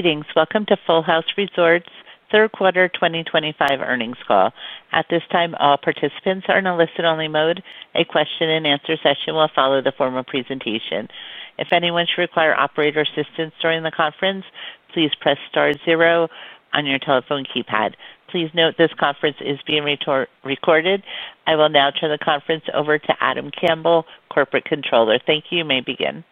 Greetings. Welcome to Full House Resorts' third quarter 2025 earnings call. At this time, all participants are in a listen-only mode. A question-and-answer session will follow the form of presentation. If anyone should require operator assistance during the conference, please press star 0 on your telephone keypad. Please note this conference is being recorded. I will now turn the conference over to Adam Campbell, Corporate Controller. Thank you. You may begin.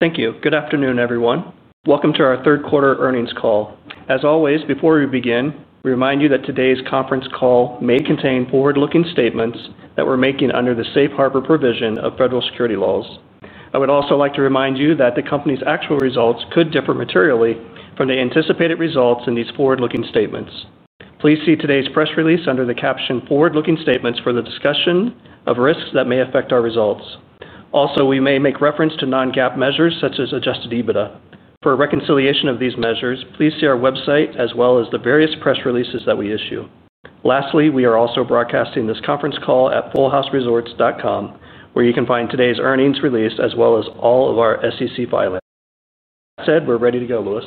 Thank you. Good afternoon, everyone. Welcome to our third quarter earnings call. As always, before we begin, we remind you that today's conference call may contain forward-looking statements that we're making under the safe harbor provision of federal security laws. I would also like to remind you that the company's actual results could differ materially from the anticipated results in these forward-looking statements. Please see today's press release under the caption "Forward-looking Statements" for the discussion of risks that may affect our results. Also, we may make reference to non-GAAP measures such as adjusted EBITDA. For reconciliation of these measures, please see our website as well as the various press releases that we issue. Lastly, we are also broadcasting this conference call at fullhouseresorts.com, where you can find today's earnings release as well as all of our SEC filings. That said, we're ready to go, Lewis.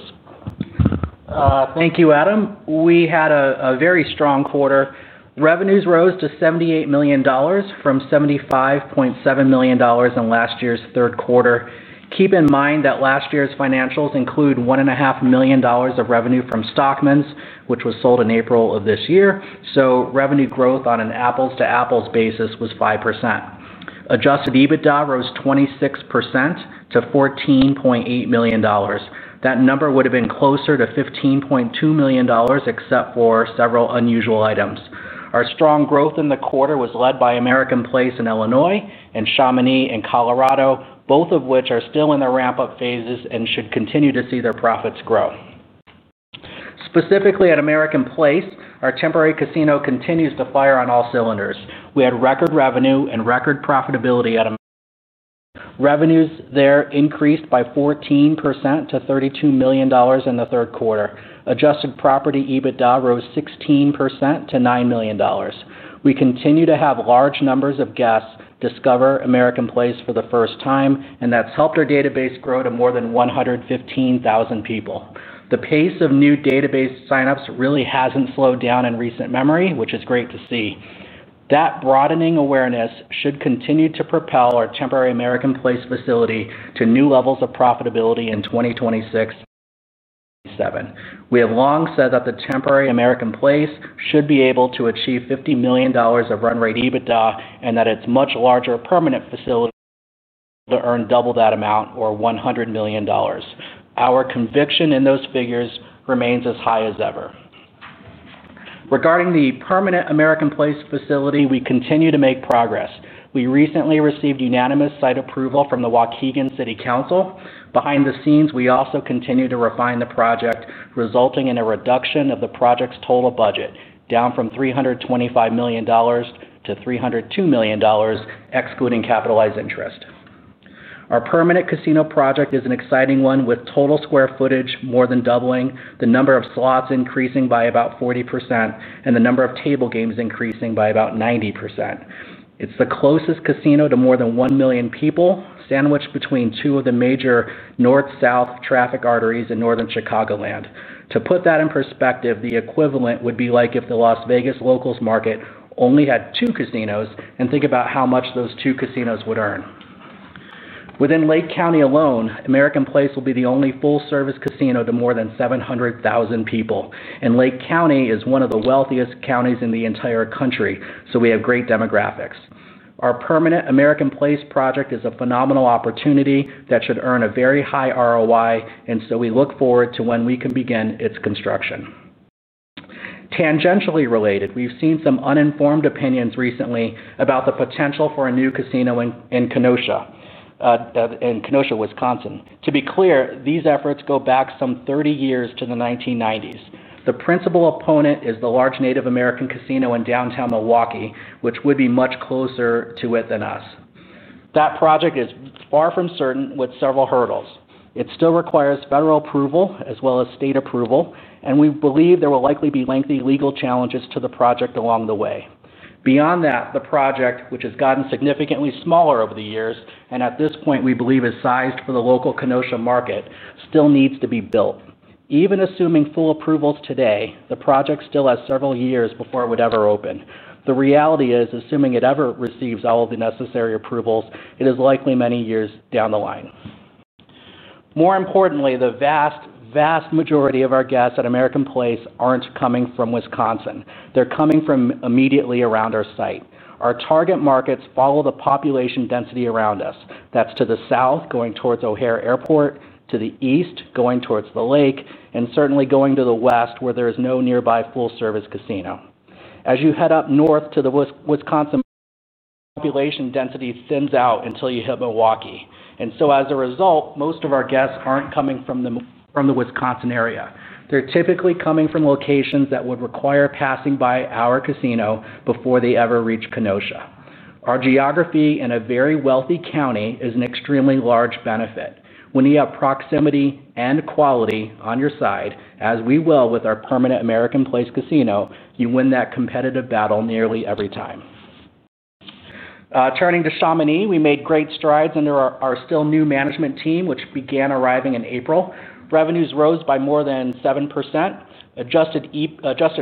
Thank you, Adam. We had a very strong quarter. Revenues rose to $78 million from $75.7 million in last year's third quarter. Keep in mind that last year's financials include $1.5 million of revenue from Stockman's, which was sold in April of this year. So revenue growth on an apples-to-apples basis was 5%. Adjusted EBITDA rose 26% to $14.8 million. That number would have been closer to $15.2 million except for several unusual items. Our strong growth in the quarter was led by American Place in Illinois and Chamonix in Colorado, both of which are still in the ramp-up phases and should continue to see their profits grow. Specifically at American Place, our temporary casino continues to fire on all cylinders. We had record revenue and record profitability at. Revenues there increased by 14% to $32 million in the third quarter. Adjusted property EBITDA rose 16% to $9 million. We continue to have large numbers of guests discover American Place for the first time, and that's helped our database grow to more than 115,000 people. The pace of new database sign-ups really hasn't slowed down in recent memory, which is great to see. That broadening awareness should continue to propel our temporary American Place facility to new levels of profitability in 2026-2027. We have long said that the temporary American Place should be able to achieve $50 million of run-rate EBITDA and that its much larger permanent facility to earn double that amount or $100 million. Our conviction in those figures remains as high as ever. Regarding the permanent American Place facility, we continue to make progress. We recently received unanimous site approval from the Waukegan City Council. Behind the scenes, we also continue to refine the project, resulting in a reduction of the project's total budget, down from $325 million to $302 million, excluding capitalized interest. Our permanent casino project is an exciting one with total square footage more than doubling, the number of slots increasing by about 40%, and the number of table games increasing by about 90%. It's the closest casino to more than 1 million people, sandwiched between two of the major north-south traffic arteries in northern Chicagoland. To put that in perspective, the equivalent would be like if the Las Vegas locals market only had two casinos, and think about how much those two casinos would earn. Within Lake County alone, American Place will be the only full-service casino to more than 700,000 people. Lake County is one of the wealthiest counties in the entire country, so we have great demographics. Our permanent American Place project is a phenomenal opportunity that should earn a very high ROI, and we look forward to when we can begin its construction. Tangentially related, we've seen some uninformed opinions recently about the potential for a new casino in Kenosha. In Kenosha, Wisconsin. To be clear, these efforts go back some 30 years to the 1990s. The principal opponent is the large Native American casino in downtown Milwaukee, which would be much closer to it than us. That project is far from certain with several hurdles. It still requires federal approval as well as state approval, and we believe there will likely be lengthy legal challenges to the project along the way. Beyond that, the project, which has gotten significantly smaller over the years and at this point we believe is sized for the local Kenosha market, still needs to be built. Even assuming full approvals today, the project still has several years before it would ever open. The reality is, assuming it ever receives all of the necessary approvals, it is likely many years down the line. More importantly, the vast, vast majority of our guests at American Place aren't coming from Wisconsin. They're coming from immediately around our site. Our target markets follow the population density around us. That's to the south, going towards O'Hare Airport, to the east, going towards the lake, and certainly going to the west where there is no nearby full-service casino. As you head up north to Wisconsin, population density thins out until you hit Milwaukee. As a result, most of our guests aren't coming from the Wisconsin area. They're typically coming from locations that would require passing by our casino before they ever reach Kenosha. Our geography in a very wealthy county is an extremely large benefit. When you have proximity and quality on your side, as we will with our permanent American Place casino, you win that competitive battle nearly every time. Turning to Chamonix, we made great strides under our still new management team, which began arriving in April. Revenues rose by more than 7%. Adjusted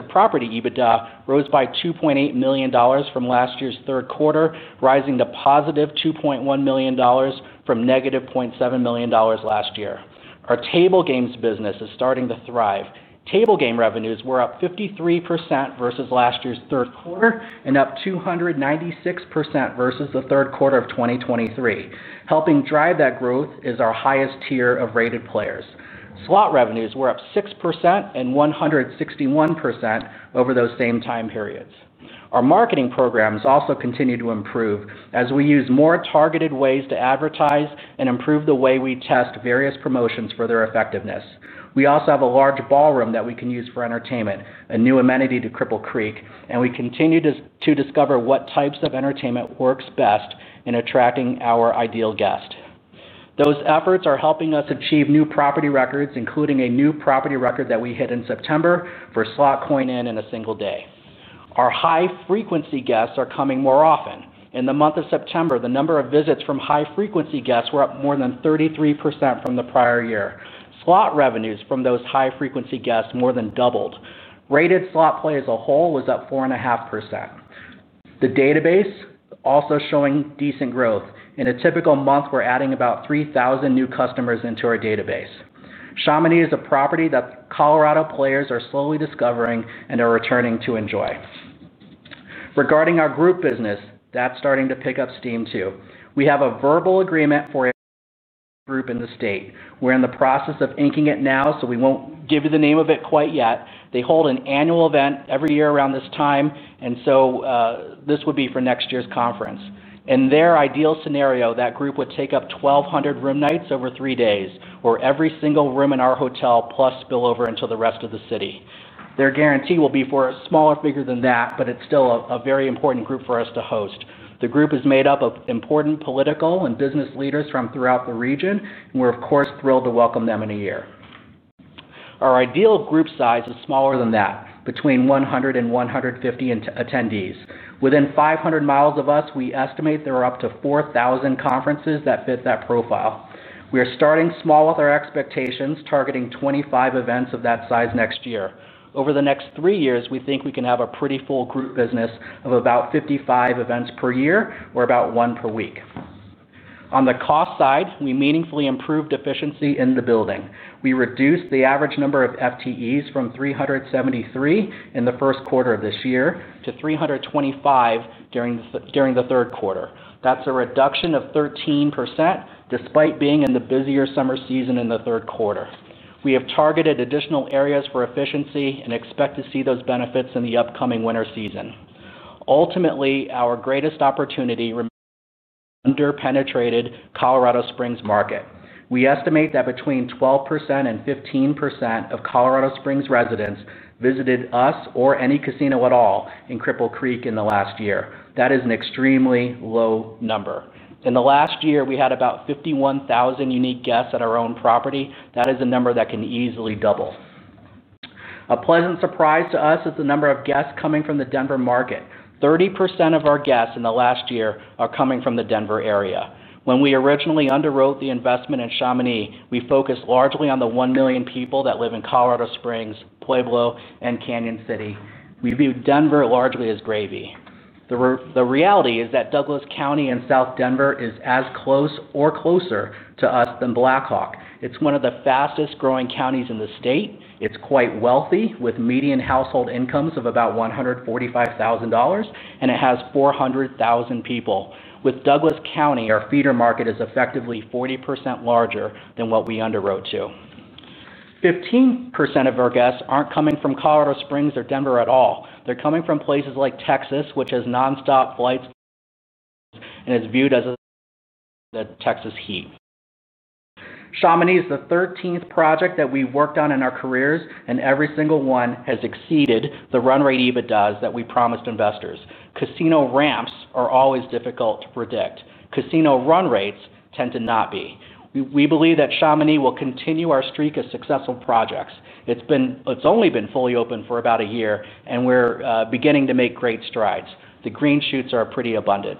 property EBITDA rose by $2.8 million from last year's third quarter, rising to +$2.1 million from -$0.7 million last year. Our table games business is starting to thrive. Table game revenues were up 53% versus last year's third quarter and up 296% versus the third quarter of 2023. Helping drive that growth is our highest tier of rated players. Slot revenues were up 6% and 161% over those same time periods. Our marketing programs also continue to improve as we use more targeted ways to advertise and improve the way we test various promotions for their effectiveness. We also have a large ballroom that we can use for entertainment, a new amenity to Cripple Creek, and we continue to discover what types of entertainment work best in attracting our ideal guest. Those efforts are helping us achieve new property records, including a new property record that we hit in September for slot coin-in in a single day. Our high-frequency guests are coming more often. In the month of September, the number of visits from high-frequency guests were up more than 33% from the prior year. Slot revenues from those high-frequency guests more than doubled. Rated slot play as a whole was up 4.5%. The database also showing decent growth. In a typical month, we're adding about 3,000 new customers into our database. Chamonix is a property that Colorado players are slowly discovering and are returning to enjoy. Regarding our group business, that's starting to pick up steam too. We have a verbal agreement for a group in the state. We're in the process of inking it now, so we won't give you the name of it quite yet. They hold an annual event every year around this time, and this would be for next year's conference. In their ideal scenario, that group would take up 1,200 room nights over three days, or every single room in our hotel plus spillover into the rest of the city. Their guarantee will be for a smaller figure than that, but it's still a very important group for us to host. The group is made up of important political and business leaders from throughout the region, and we're, of course, thrilled to welcome them in a year. Our ideal group size is smaller than that, between 100 and 150 attendees. Within 500 mi of us, we estimate there are up to 4,000 conferences that fit that profile. We are starting small with our expectations, targeting 25 events of that size next year. Over the next three years, we think we can have a pretty full group business of about 55 events per year or about one per week. On the cost side, we meaningfully improved efficiency in the building. We reduced the average number of FTEs from 373 in the first quarter of this year to 325 during the third quarter. That's a reduction of 13% despite being in the busier summer season in the third quarter. We have targeted additional areas for efficiency and expect to see those benefits in the upcoming winter season. Ultimately, our greatest opportunity remains under-penetrated Colorado Springs market. We estimate that between 12% and 15% of Colorado Springs residents visited us or any casino at all in Cripple Creek in the last year. That is an extremely low number. In the last year, we had about 51,000 unique guests at our own property. That is a number that can easily double. A pleasant surprise to us is the number of guests coming from the Denver market. 30% of our guests in the last year are coming from the Denver area. When we originally underwrote the investment in Chamonix, we focused largely on the 1 million people that live in Colorado Springs, Pueblo, and Canon City. We view Denver largely as gravy. The reality is that Douglas County in South Denver is as close or closer to us than Blackhawk. It's one of the fastest-growing counties in the state. It's quite wealthy, with median household incomes of about $145,000, and it has 400,000 people. With Douglas County, our feeder market is effectively 40% larger than what we underwrote to. 15% of our guests aren't coming from Colorado Springs or Denver at all. They're coming from places like Texas, which has nonstop flights. It is viewed as the Texas heat. Chamonix is the 13th project that we've worked on in our careers, and every single one has exceeded the run-rate EBITDAs that we promised investors. Casino ramps are always difficult to predict. Casino run rates tend to not be. We believe that Chamonix will continue our streak of successful projects. It's only been fully open for about a year, and we're beginning to make great strides. The green shoots are pretty abundant.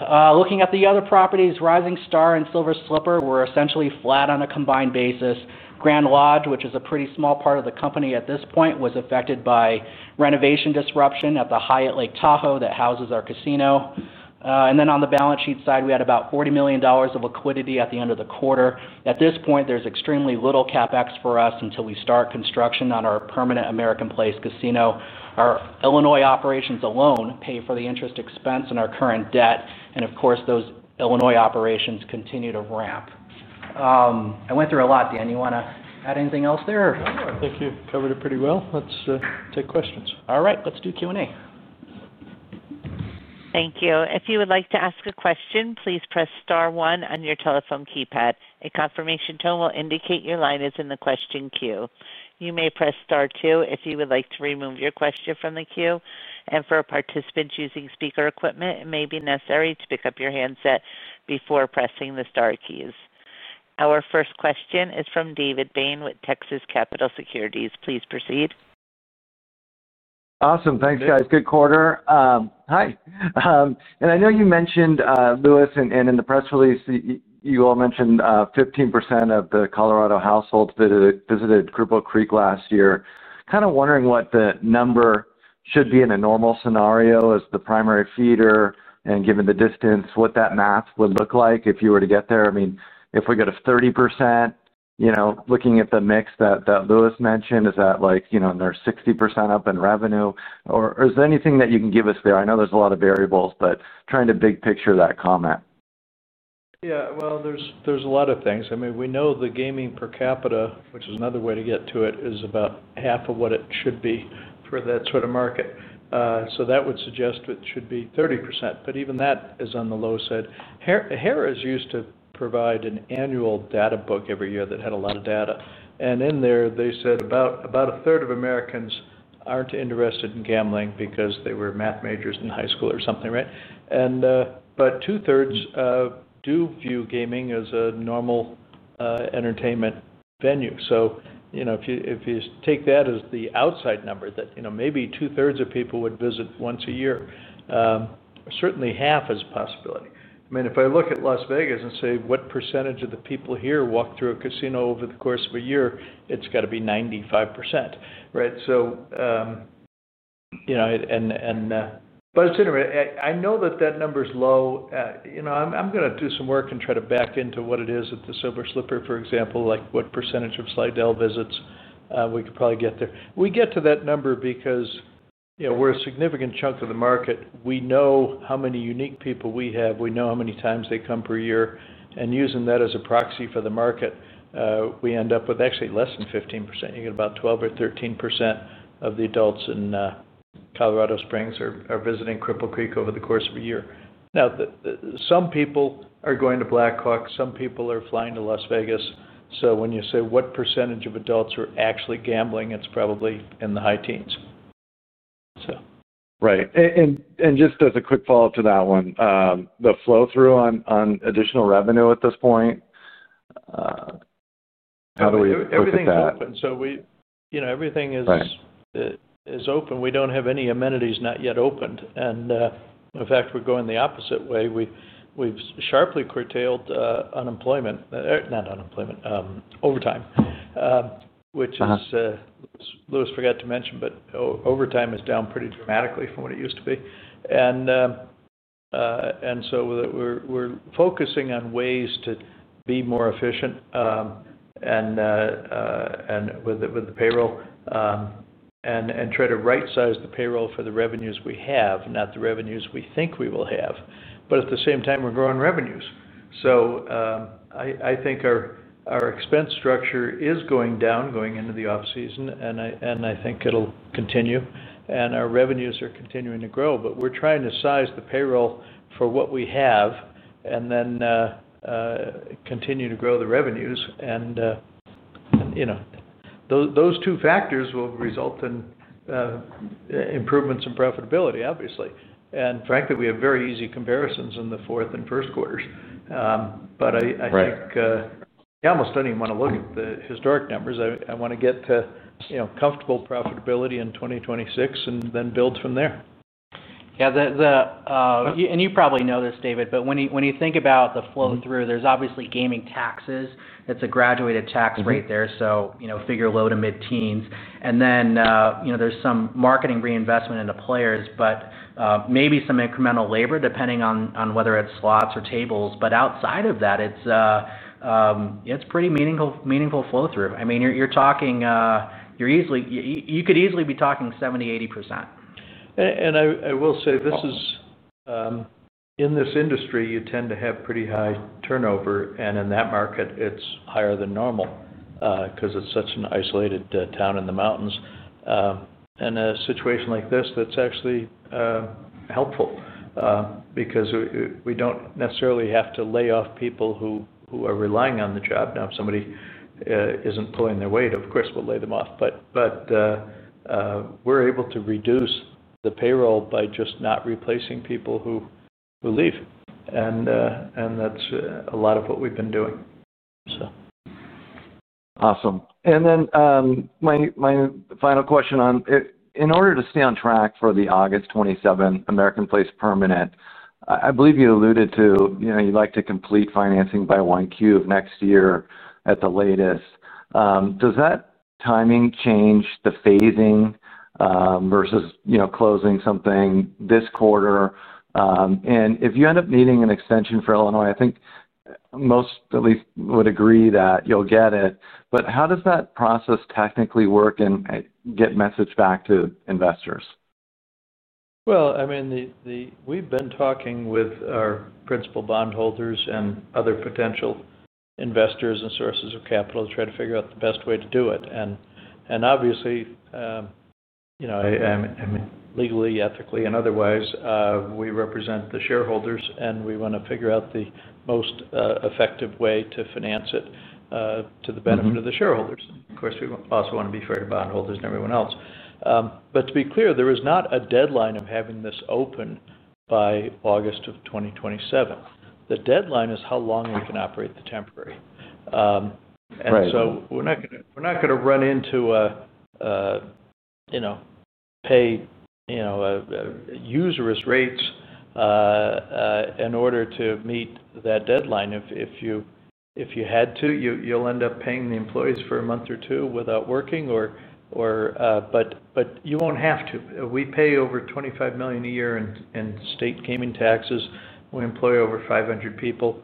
Looking at the other properties, Rising Star and Silver Slipper were essentially flat on a combined basis. Grand Lodge, which is a pretty small part of the company at this point, was affected by renovation disruption at the Hyatt Regency Lake Tahoe that houses our casino. On the balance sheet side, we had about $40 million of liquidity at the end of the quarter. At this point, there's extremely little CapEx for us until we start construction on our permanent American Place casino. Our Illinois operations alone pay for the interest expense and our current debt. Of course, those Illinois operations continue to ramp. I went through a lot, Dan. You want to add anything else there? No, I think you covered it pretty well. Let's take questions. All right. Let's do Q&A. Thank you. If you would like to ask a question, please press Star 1 on your telephone keypad. A confirmation tone will indicate your line is in the question queue. You may press Star 2 if you would like to remove your question from the queue. For participants using speaker equipment, it may be necessary to pick up your handset before pressing the Star keys. Our first question is from David Bain with Texas Capital Securities. Please proceed. Awesome. Thanks, guys. Good quarter. Hi. And I know you mentioned, Lewis, and in the press release, you all mentioned 15% of the Colorado households visited Cripple Creek last year. Kind of wondering what the number should be in a normal scenario as the primary feeder, and given the distance, what that math would look like if you were to get there. I mean, if we get a 30%. Looking at the mix that Lewis mentioned, is that like near 60% up in revenue? Or is there anything that you can give us there? I know there's a lot of variables, but trying to big picture that comment. Yeah. There is a lot of things. I mean, we know the gaming per capita, which is another way to get to it, is about half of what it should be for that sort of market. That would suggest it should be 30%. Even that is on the low side. [HERA] used to provide an annual data book every year that had a lot of data. In there, they said about a third of Americans are not interested in gambling because they were math majors in high school or something, right? Two-thirds do view gaming as a normal entertainment venue. If you take that as the outside number, that maybe two-thirds of people would visit once a year. Certainly, half is a possibility. I mean, if I look at Las Vegas and say, "What percentage of the people here walk through a casino over the course of a year?" It's got to be 95%, right? It's interesting. I know that that number is low. I'm going to do some work and try to back into what it is at the Silver Slipper, for example, like what percentage of Slidell visits. We could probably get there. We get to that number because we're a significant chunk of the market. We know how many unique people we have. We know how many times they come per year. Using that as a proxy for the market, we end up with actually less than 15%. You get about 12% or 13% of the adults in Colorado Springs are visiting Cripple Creek over the course of a year. Now, some people are going to Blackhawk. Some people are flying to Las Vegas. When you say, "What percentage of adults are actually gambling?" it's probably in the high teens. Right. Just as a quick follow-up to that one, the flow-through on additional revenue at this point. How do we improve that? Everything's open. So everything is open. We don't have any amenities not yet opened. In fact, we're going the opposite way. We've sharply curtailed unemployment—not unemployment—overtime. Which is, Lewis forgot to mention, but overtime is down pretty dramatically from what it used to be. So we're focusing on ways to be more efficient with the payroll and try to right-size the payroll for the revenues we have, not the revenues we think we will have. At the same time, we're growing revenues. I think our expense structure is going down going into the off-season, and I think it'll continue. Our revenues are continuing to grow. We're trying to size the payroll for what we have and then continue to grow the revenues. Those two factors will result in improvements in profitability, obviously. Frankly, we have very easy comparisons in the fourth and first quarters. I think I almost do not even want to look at the historic numbers. I want to get to comfortable profitability in 2026 and then build from there. Yeah. You probably know this, David, but when you think about the flow-through, there's obviously gaming taxes. It's a graduated tax rate there, so figure low to mid-teens. There's some marketing reinvestment into players, maybe some incremental labor, depending on whether it's slots or tables. Outside of that, it's pretty meaningful flow-through. I mean, you could easily be talking 70%-80%. I will say this is. In this industry, you tend to have pretty high turnover. In that market, it's higher than normal because it's such an isolated town in the mountains. A situation like this, that's actually helpful. Because we don't necessarily have to lay off people who are relying on the job. Now, if somebody isn't pulling their weight, of course, we'll lay them off. We're able to reduce the payroll by just not replacing people who leave. That's a lot of what we've been doing. Awesome. My final question, in order to stay on track for the August 27 American Place permanent, I believe you alluded to you'd like to complete financing by 1Q next year at the latest. Does that timing change the phasing versus closing something this quarter? If you end up needing an extension for Illinois, I think most at least would agree that you'll get it. How does that process technically work and get messaged back to investors? I mean, we've been talking with our principal bondholders and other potential investors and sources of capital to try to figure out the best way to do it. Obviously, legally, ethically, and otherwise, we represent the shareholders, and we want to figure out the most effective way to finance it to the benefit of the shareholders. Of course, we also want to be fair to bondholders and everyone else. To be clear, there is not a deadline of having this open by August of 2027. The deadline is how long we can operate the temporary. We are not going to run into, pay useless rates in order to meet that deadline. If you had to, you'll end up paying the employees for a month or two without working, but you won't have to. We pay over $25 million a year in state gaming taxes. We employ over 500 people.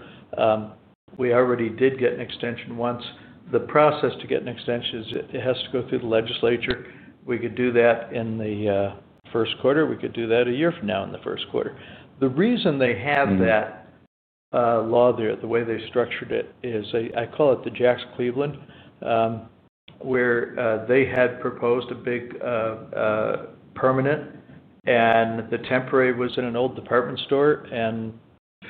We already did get an extension once. The process to get an extension, it has to go through the legislature. We could do that in the first quarter. We could do that a year from now in the first quarter. The reason they have that law there, the way they structured it, is I call it the Jack Cleveland, where they had proposed a big permanent, and the temporary was in an old department store.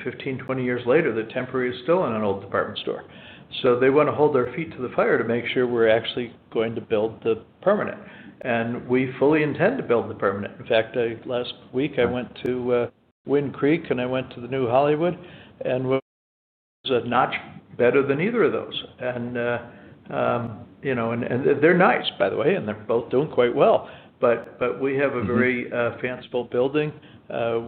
15, 20 years later, the temporary is still in an old department store. They want to hold their feet to the fire to make sure we're actually going to build the permanent. We fully intend to build the permanent. In fact, last week, I went to Wind Creek, and I went to the New Hollywood, and it was a notch better than either of those. They're nice, by the way, and they're both doing quite well. We have a very fanciful building.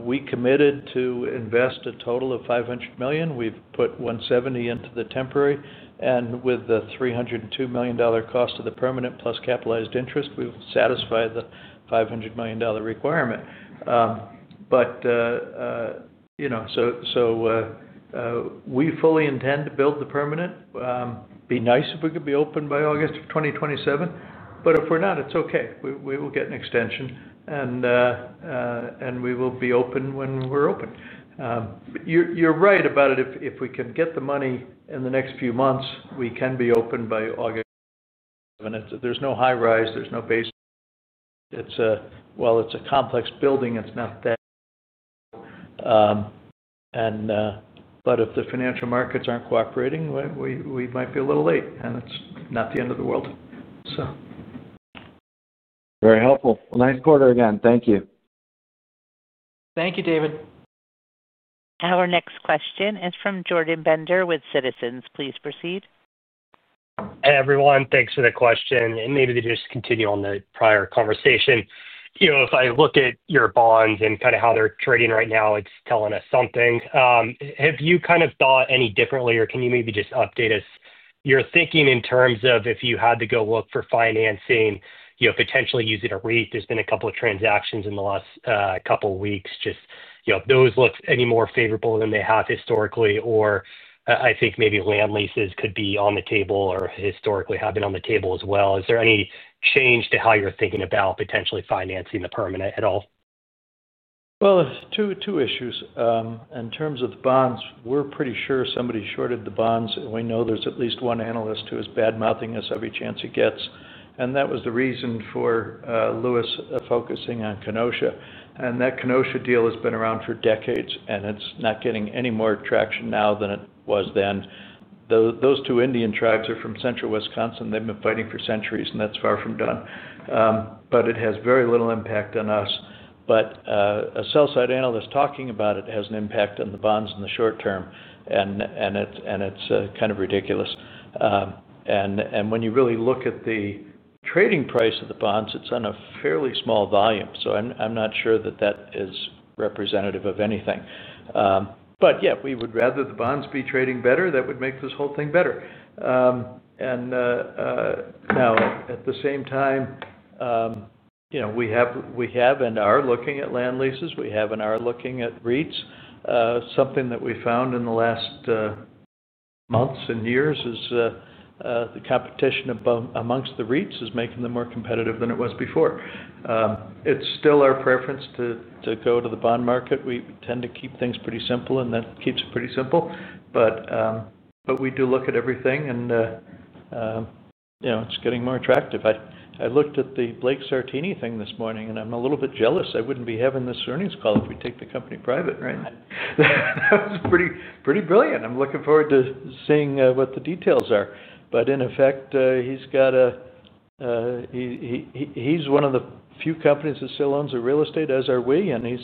We committed to invest a total of $500 million. We've put $170 million into the temporary. With the $302 million cost of the permanent plus capitalized interest, we've satisfied the $500 million requirement. We fully intend to build the permanent. It would be nice if we could be open by August of 2027. If we're not, it's okay. We will get an extension, and we will be open when we're open. You're right about it. If we can get the money in the next few months, we can be open by August 7th. There's no high rise. There's no base. While it's a complex building, it's not that. If the financial markets aren't cooperating, we might be a little late. It's not the end of the world. Very helpful. Nice quarter again. Thank you. Thank you, David. Our next question is from Jordan Bender with Citizens. Please proceed. Hey, everyone. Thanks for the question. Maybe to just continue on the prior conversation, if I look at your bonds and kind of how they're trading right now, it's telling us something. Have you kind of thought any differently, or can you maybe just update us your thinking in terms of if you had to go look for financing, potentially using a REIT? There's been a couple of transactions in the last couple of weeks. Do those look any more favorable than they have historically? I think maybe land leases could be on the table or historically have been on the table as well. Is there any change to how you're thinking about potentially financing the permanent at all? Two issues. In terms of the bonds, we're pretty sure somebody shorted the bonds. We know there's at least one analyst who is badmouthing us every chance he gets. That was the reason for Lewis focusing on Kenosha. That Kenosha deal has been around for decades, and it's not getting any more traction now than it was then. Those two Indian tribes are from central Wisconsin. They've been fighting for centuries, and that's far from done. It has very little impact on us. A sell-side analyst talking about it has an impact on the bonds in the short term. It's kind of ridiculous. When you really look at the trading price of the bonds, it's on a fairly small volume. I'm not sure that is representative of anything. We would rather the bonds be trading better. That would make this whole thing better. Now, at the same time, we have and are looking at land leases. We have and are looking at REITs. Something that we found in the last months and years is the competition amongst the REITs is making them more competitive than it was before. It's still our preference to go to the bond market. We tend to keep things pretty simple, and that keeps it pretty simple. We do look at everything, and it's getting more attractive. I looked at the Blake Sartini thing this morning, and I'm a little bit jealous. I wouldn't be having this earnings call if we take the company private, right? That was pretty brilliant. I'm looking forward to seeing what the details are. In effect, he's got a—he's one of the few companies that still owns the real estate, as are we. He's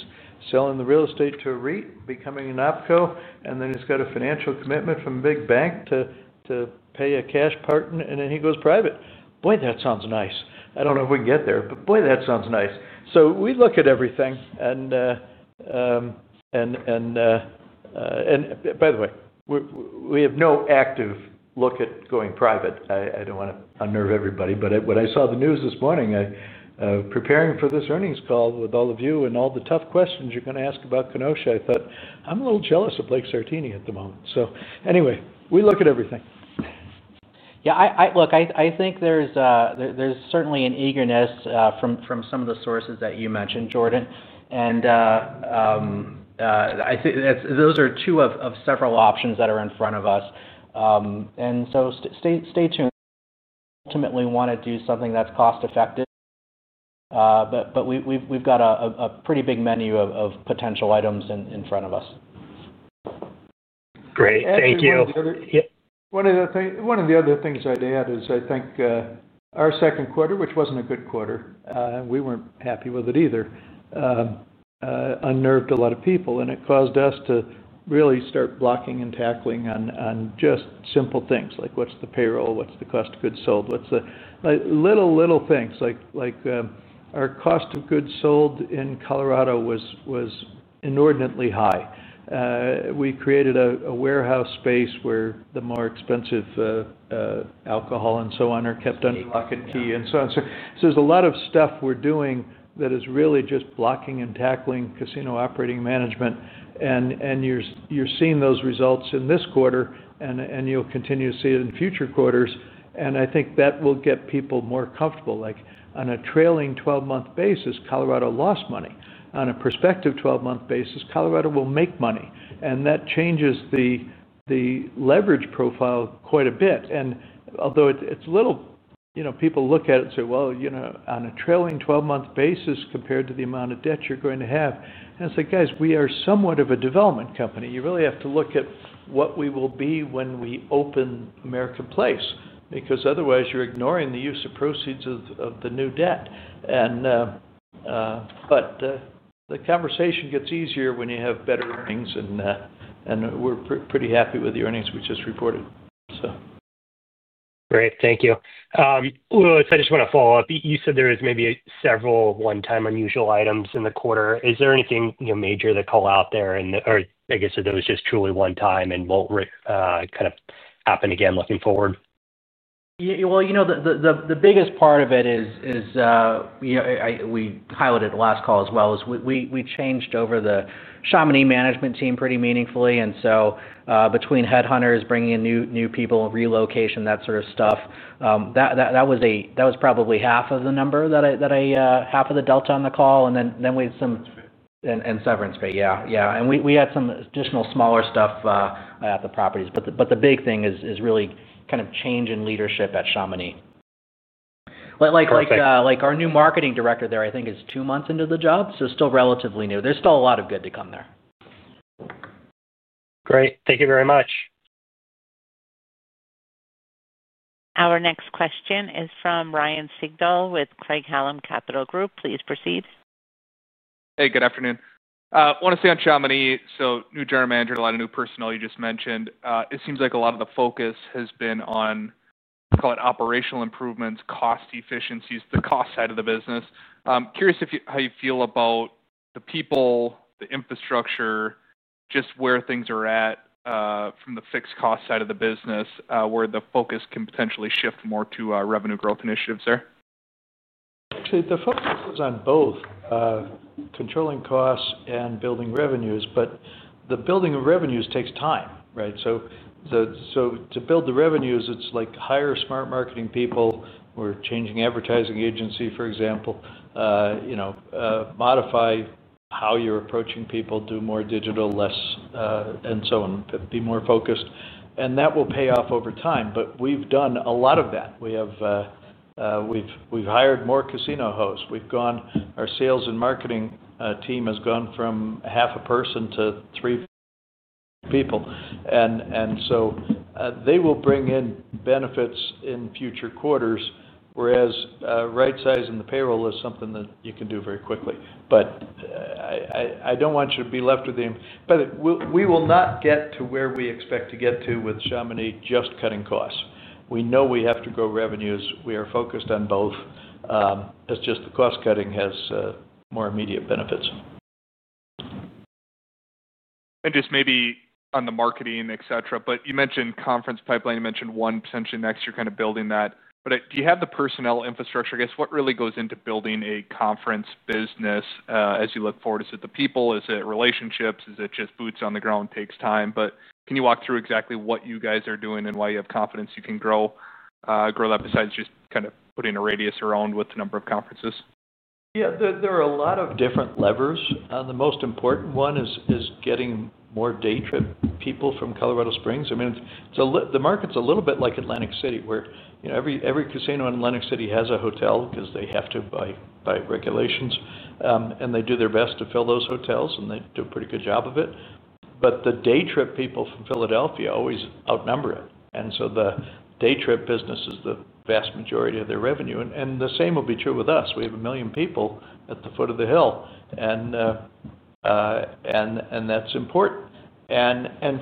selling the real estate to a REIT, becoming an opco. Then he's got a financial commitment from a big bank to pay a cash partner. Then he goes private. Boy, that sounds nice. I do not know if we can get there, but boy, that sounds nice. We look at everything. By the way, we have no active look at going private. I do not want to unnerve everybody. When I saw the news this morning, preparing for this earnings call with all of you and all the tough questions you are going to ask about Kenosha, I thought, "I'm a little jealous of Blake Sartini at the moment." Anyway, we look at everything. Yeah. Look, I think there's certainly an eagerness from some of the sources that you mentioned, Jordan. Those are two of several options that are in front of us. So stay tuned. Ultimately, we want to do something that's cost-effective. We've got a pretty big menu of potential items in front of us. Great. Thank you. One of the other things I'd add is I think our second quarter, which wasn't a good quarter, and we weren't happy with it either, unnerved a lot of people. It caused us to really start blocking and tackling on just simple things like what's the payroll, what's the cost of goods sold, what's the little, little things like our cost of goods sold in Colorado was inordinately high. We created a warehouse space where the more expensive alcohol and so on are kept under lock and key and so on. There is a lot of stuff we're doing that is really just blocking and tackling casino operating management. You're seeing those results in this quarter, and you'll continue to see it in future quarters. I think that will get people more comfortable. On a trailing 12-month basis, Colorado lost money. On a prospective 12-month basis, Colorado will make money. That changes the leverage profile quite a bit. Although it's little, people look at it and say, "Well, on a trailing 12-month basis compared to the amount of debt you're going to have." It's like, "Guys, we are somewhat of a development company. You really have to look at what we will be when we open American Place." Otherwise, you're ignoring the use of proceeds of the new debt. The conversation gets easier when you have better earnings. We're pretty happy with the earnings we just reported, so. Great. Thank you. Lewis, I just want to follow up. You said there were maybe several one-time unusual items in the quarter. Is there anything major to call out there? Or I guess are those just truly one-time and won't kind of happen again looking forward? The biggest part of it is, we highlighted at the last call as well, is we changed over the Chamonix management team pretty meaningfully. Between headhunters, bringing in new people, relocation, that sort of stuff, that was probably half of the number that I, half of the delta on the call. We had some severance pay. Yeah. We had some additional smaller stuff at the properties. The big thing is really kind of change in leadership at Chamonix. Like our new Marketing Director there, I think, is two months into the job, so still relatively new. There's still a lot of good to come there. Great. Thank you very much. Our next question is from Ryan Sigdahl with Craig-Hallum Capital Group. Please proceed. Hey, good afternoon. I want to stay on Chamonix. So new General Manager, a lot of new personnel, you just mentioned. It seems like a lot of the focus has been on operational improvements, cost efficiencies, the cost side of the business. Curious how you feel about the people, the infrastructure, just where things are at from the fixed cost side of the business, where the focus can potentially shift more to revenue growth initiatives there. Actually, the focus is on both. Controlling costs and building revenues. The building of revenues takes time, right? To build the revenues, it's like hire smart marketing people. We're changing advertising agency, for example. Modify how you're approaching people, do more digital, less, and so on, be more focused. That will pay off over time. We've done a lot of that. We've hired more casino hosts. Our sales and marketing team has gone from half a person to three people. They will bring in benefits in future quarters, whereas right-sizing the payroll is something that you can do very quickly. I don't want you to be left with the we will not get to where we expect to get to with Chamonix just cutting costs. We know we have to grow revenues. We are focused on both. It's just the cost cutting has more immediate benefits. Just maybe on the marketing, etc. You mentioned conference pipeline. You mentioned one potentially next. You're kind of building that. Do you have the personnel infrastructure? I guess what really goes into building a conference business as you look forward? Is it the people? Is it relationships? Is it just boots on the ground? Takes time. Can you walk through exactly what you guys are doing and why you have confidence you can grow that besides just kind of putting a radius around with the number of conferences? Yeah. There are a lot of different levers. The most important one is getting more day trip people from Colorado Springs. I mean, the market's a little bit like Atlantic City, where every casino in Atlantic City has a hotel because they have to by regulations. They do their best to fill those hotels, and they do a pretty good job of it. The day trip people from Philadelphia always outnumber it. The day trip business is the vast majority of their revenue. The same will be true with us. We have a million people at the foot of the hill. That's important.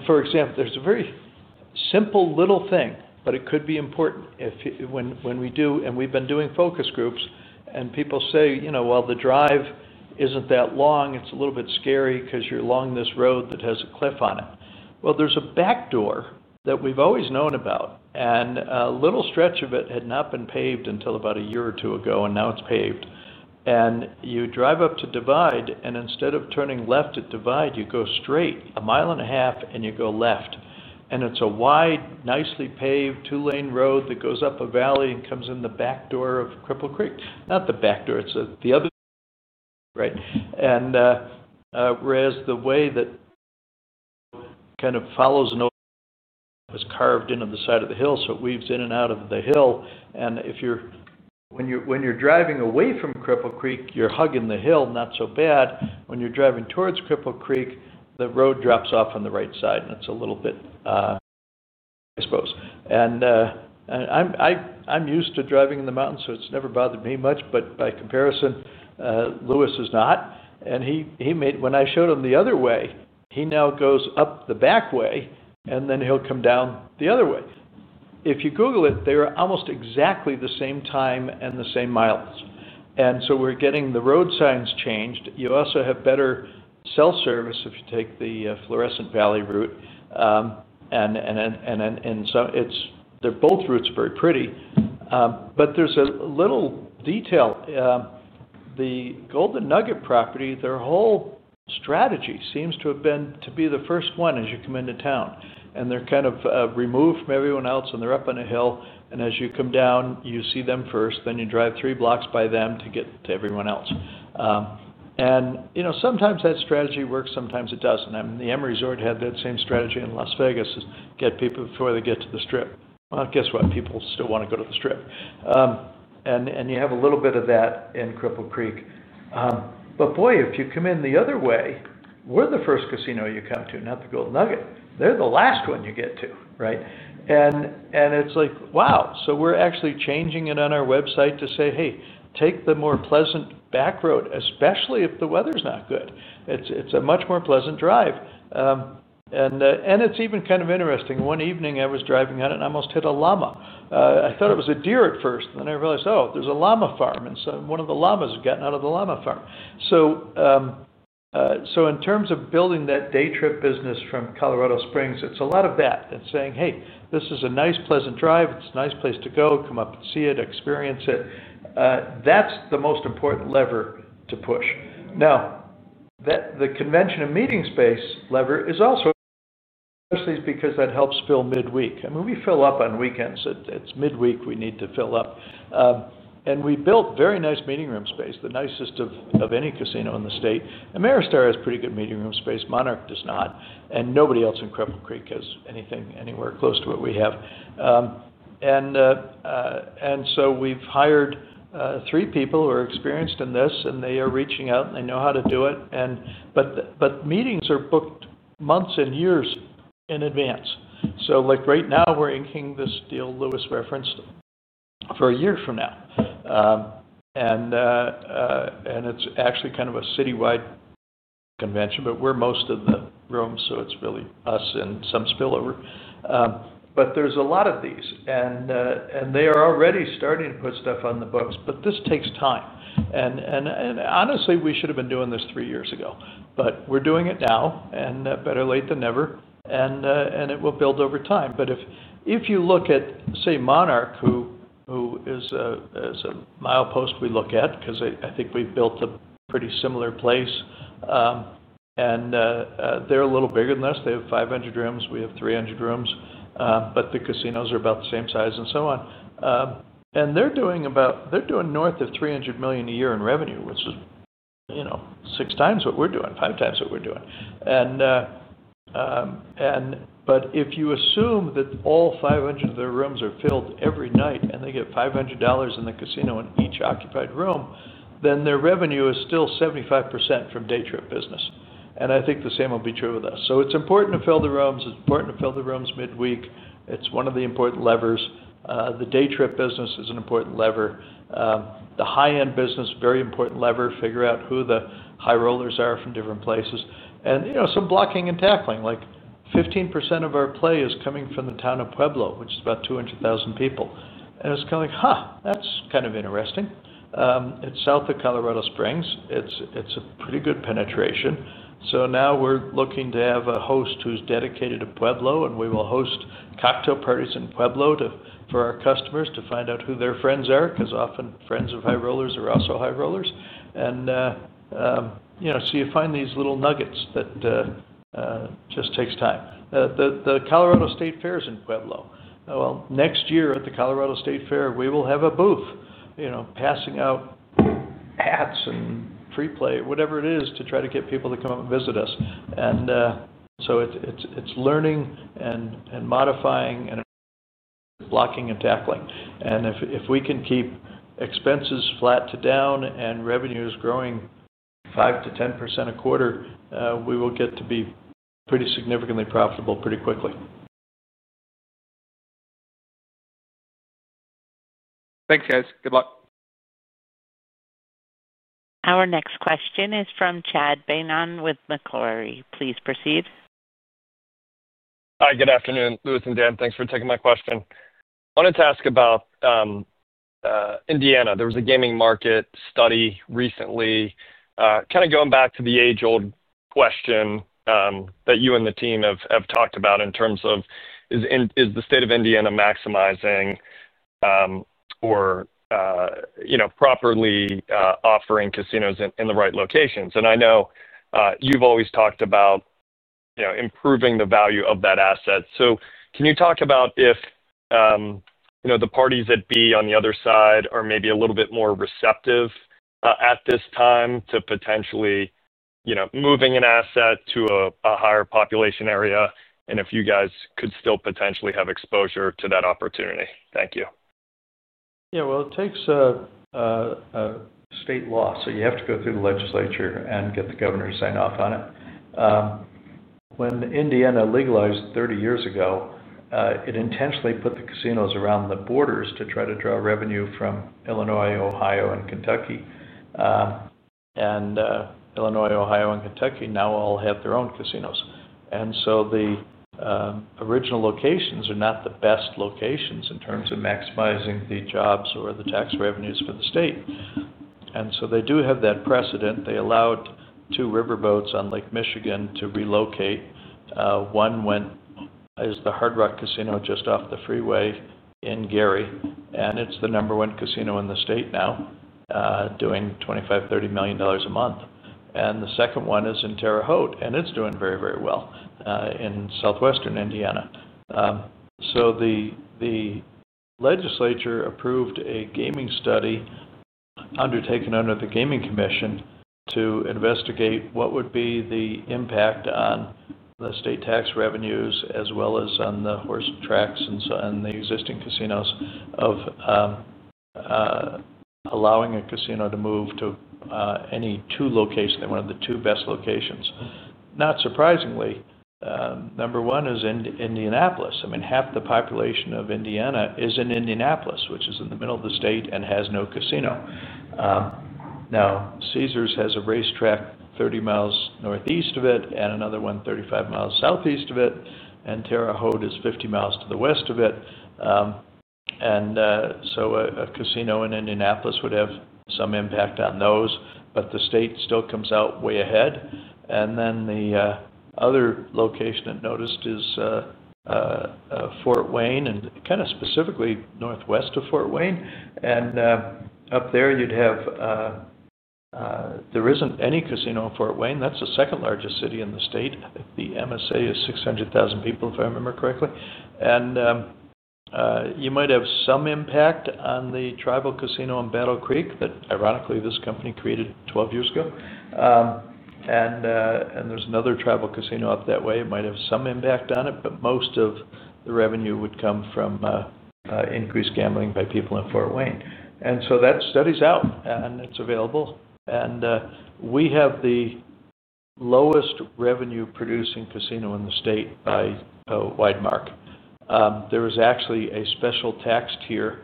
For example, there's a very simple little thing, but it could be important when we do. We've been doing focus groups. People say, "Well, the drive isn't that long. It's a little bit scary because you're along this road that has a cliff on it. There is a backdoor that we've always known about. A little stretch of it had not been paved until about a year or two ago, and now it's paved. You drive up to Divide, and instead of turning left at Divide, you go straight a mile and a half, and you go left. It's a wide, nicely paved two-lane road that goes up a valley and comes in the backdoor of Cripple Creek. Not the backdoor. It's the other, right? Whereas the way that kind of follows an old, was carved into the side of the hill, so it weaves in and out of the hill. When you're driving away from Cripple Creek, you're hugging the hill not so bad. When you're driving towards Cripple Creek, the road drops off on the right side. It's a little bit exposed. I'm used to driving in the mountains, so it's never bothered me much. By comparison, Lewis is not. When I showed him the other way, he now goes up the back way, and then he'll come down the other way. If you Google it, they're almost exactly the same time and the same miles. We're getting the road signs changed. You also have better cell service if you take the Florissant Valley route. They're both routes very pretty. There's a little detail. The Golden Nugget property, their whole strategy seems to have been to be the first one as you come into town. They're kind of removed from everyone else, and they're up on a hill. As you come down, you see them first. You drive three blocks by them to get to everyone else. Sometimes that strategy works. Sometimes it does not. The Emory Resort had that same strategy in Las Vegas: get people before they get to the strip. Guess what? People still want to go to the strip. You have a little bit of that in Cripple Creek. If you come in the other way, we are the first casino you come to, not the Golden Nugget. They are the last one you get to, right? It is like, "Wow." We are actually changing it on our website to say, "Hey, take the more pleasant back road, especially if the weather is not good. It is a much more pleasant drive." It is even kind of interesting. One evening, I was driving on it, and I almost hit a llama. I thought it was a deer at first. And then I realized, "Oh, there's a llama farm." And so one of the llamas had gotten out of the llama farm. So. In terms of building that day trip business from Colorado Springs, it's a lot of that. It's saying, "Hey, this is a nice, pleasant drive. It's a nice place to go. Come up and see it, experience it." That's the most important lever to push. Now. The convention and meeting space lever is also. Especially because that helps fill midweek. I mean, we fill up on weekends. It's midweek we need to fill up. And we built very nice meeting room space, the nicest of any casino in the state. Ameristar has pretty good meeting room space. Monarch does not. Nobody else in Cripple Creek has anything anywhere close to what we have. We have hired three people who are experienced in this, and they are reaching out, and they know how to do it. Meetings are booked months and years in advance. Right now, we are inking this deal Lewis referenced for a year from now. It is actually kind of a citywide convention, but we are most of the rooms, so it is really us and some spillover. There are a lot of these, and they are already starting to put stuff on the books. This takes time. Honestly, we should have been doing this three years ago, but we are doing it now. Better late than never, and it will build over time. If you look at, say, Monarch, who is. A mile post we look at because I think we've built a pretty similar place. They're a little bigger than us. They have 500 rooms. We have 300 rooms. The casinos are about the same size and so on. They're doing north of $300 million a year in revenue, which is six times what we're doing, five times what we're doing. If you assume that all 500 of their rooms are filled every night and they get $500 in the casino in each occupied room, then their revenue is still 75% from day trip business. I think the same will be true with us. It's important to fill the rooms. It's important to fill the rooms midweek. It's one of the important levers. The day trip business is an important lever. The high-end business, very important lever. Figure out who the high rollers are from different places. And some blocking and tackling. Like 15% of our play is coming from the town of Pueblo, which is about 200,000 people. And it's kind of like, "Huh, that's kind of interesting." It's south of Colorado Springs. It's a pretty good penetration. Now we're looking to have a host who's dedicated to Pueblo, and we will host cocktail parties in Pueblo for our customers to find out who their friends are because often friends of high rollers are also high rollers. You find these little nuggets that just takes time. The Colorado State Fair is in Pueblo. Next year at the Colorado State Fair, we will have a booth passing out hats and free play, whatever it is, to try to get people to come up and visit us. It's learning and modifying. Blocking and tackling. If we can keep expenses flat to down and revenues growing 5%-10% a quarter, we will get to be pretty significantly profitable pretty quickly. Thanks, guys. Good luck. Our next question is from Chad Beynon with Macquarie. Please proceed. Hi. Good afternoon, Lewis and Dan. Thanks for taking my question. I wanted to ask about Indiana. There was a gaming market study recently. Kind of going back to the age-old question that you and the team have talked about in terms of is the state of Indiana maximizing or properly offering casinos in the right locations? I know you've always talked about improving the value of that asset. Can you talk about if the parties at be on the other side are maybe a little bit more receptive at this time to potentially moving an asset to a higher population area and if you guys could still potentially have exposure to that opportunity? Thank you. Yeah. It takes a state law. You have to go through the legislature and get the governor to sign off on it. When Indiana legalized 30 years ago, it intentionally put the casinos around the borders to try to draw revenue from Illinois, Ohio, and Kentucky. Illinois, Ohio, and Kentucky now all have their own casinos. The original locations are not the best locations in terms of maximizing the jobs or the tax revenues for the state. They do have that precedent. They allowed two riverboats on Lake Michigan to relocate. One went as the Hard Rock Casino just off the freeway in Gary. It is the number one casino in the state now, doing $25 million-$30 million a month. The second one is in Terre Haute, and it is doing very, very well in southwestern Indiana. Legislature approved a gaming study. Undertaken under the Gaming Commission to investigate what would be the impact on the state tax revenues as well as on the horse tracks and the existing casinos of allowing a casino to move to any two locations, one of the two best locations. Not surprisingly, number one is Indianapolis. I mean, half the population of Indiana is in Indianapolis, which is in the middle of the state and has no casino. Now, Caesars has a racetrack 30 mi northeast of it and another one 35 mi southeast of it. Terre Haute is 50 mi to the west of it. A casino in Indianapolis would have some impact on those, but the state still comes out way ahead. The other location it noticed is Fort Wayne and kind of specifically northwest of Fort Wayne. Up there, you'd have. There isn't any casino in Fort Wayne. That's the second largest city in the state. The MSA is 600,000 people, if I remember correctly. You might have some impact on the tribal casino in Battle Creek that, ironically, this company created 12 years ago. There's another tribal casino up that way. It might have some impact on it. Most of the revenue would come from increased gambling by people in Fort Wayne. That study's out, and it's available. We have the lowest revenue-producing casino in the state by a wide mark. There is actually a special tax tier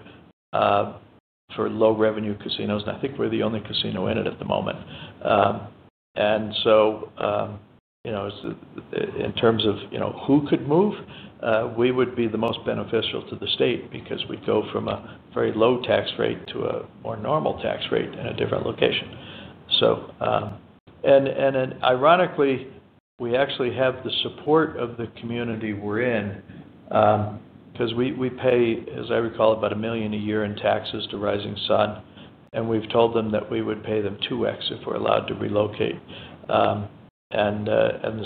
for low-revenue casinos. I think we're the only casino in it at the moment. In terms of who could move, we would be the most beneficial to the state because we'd go from a very low tax rate to a more normal tax rate in a different location. Ironically, we actually have the support of the community we're in. Because we pay, as I recall, about $1 million a year in taxes to Rising Sun. We've told them that we would pay them 2x if we're allowed to relocate. The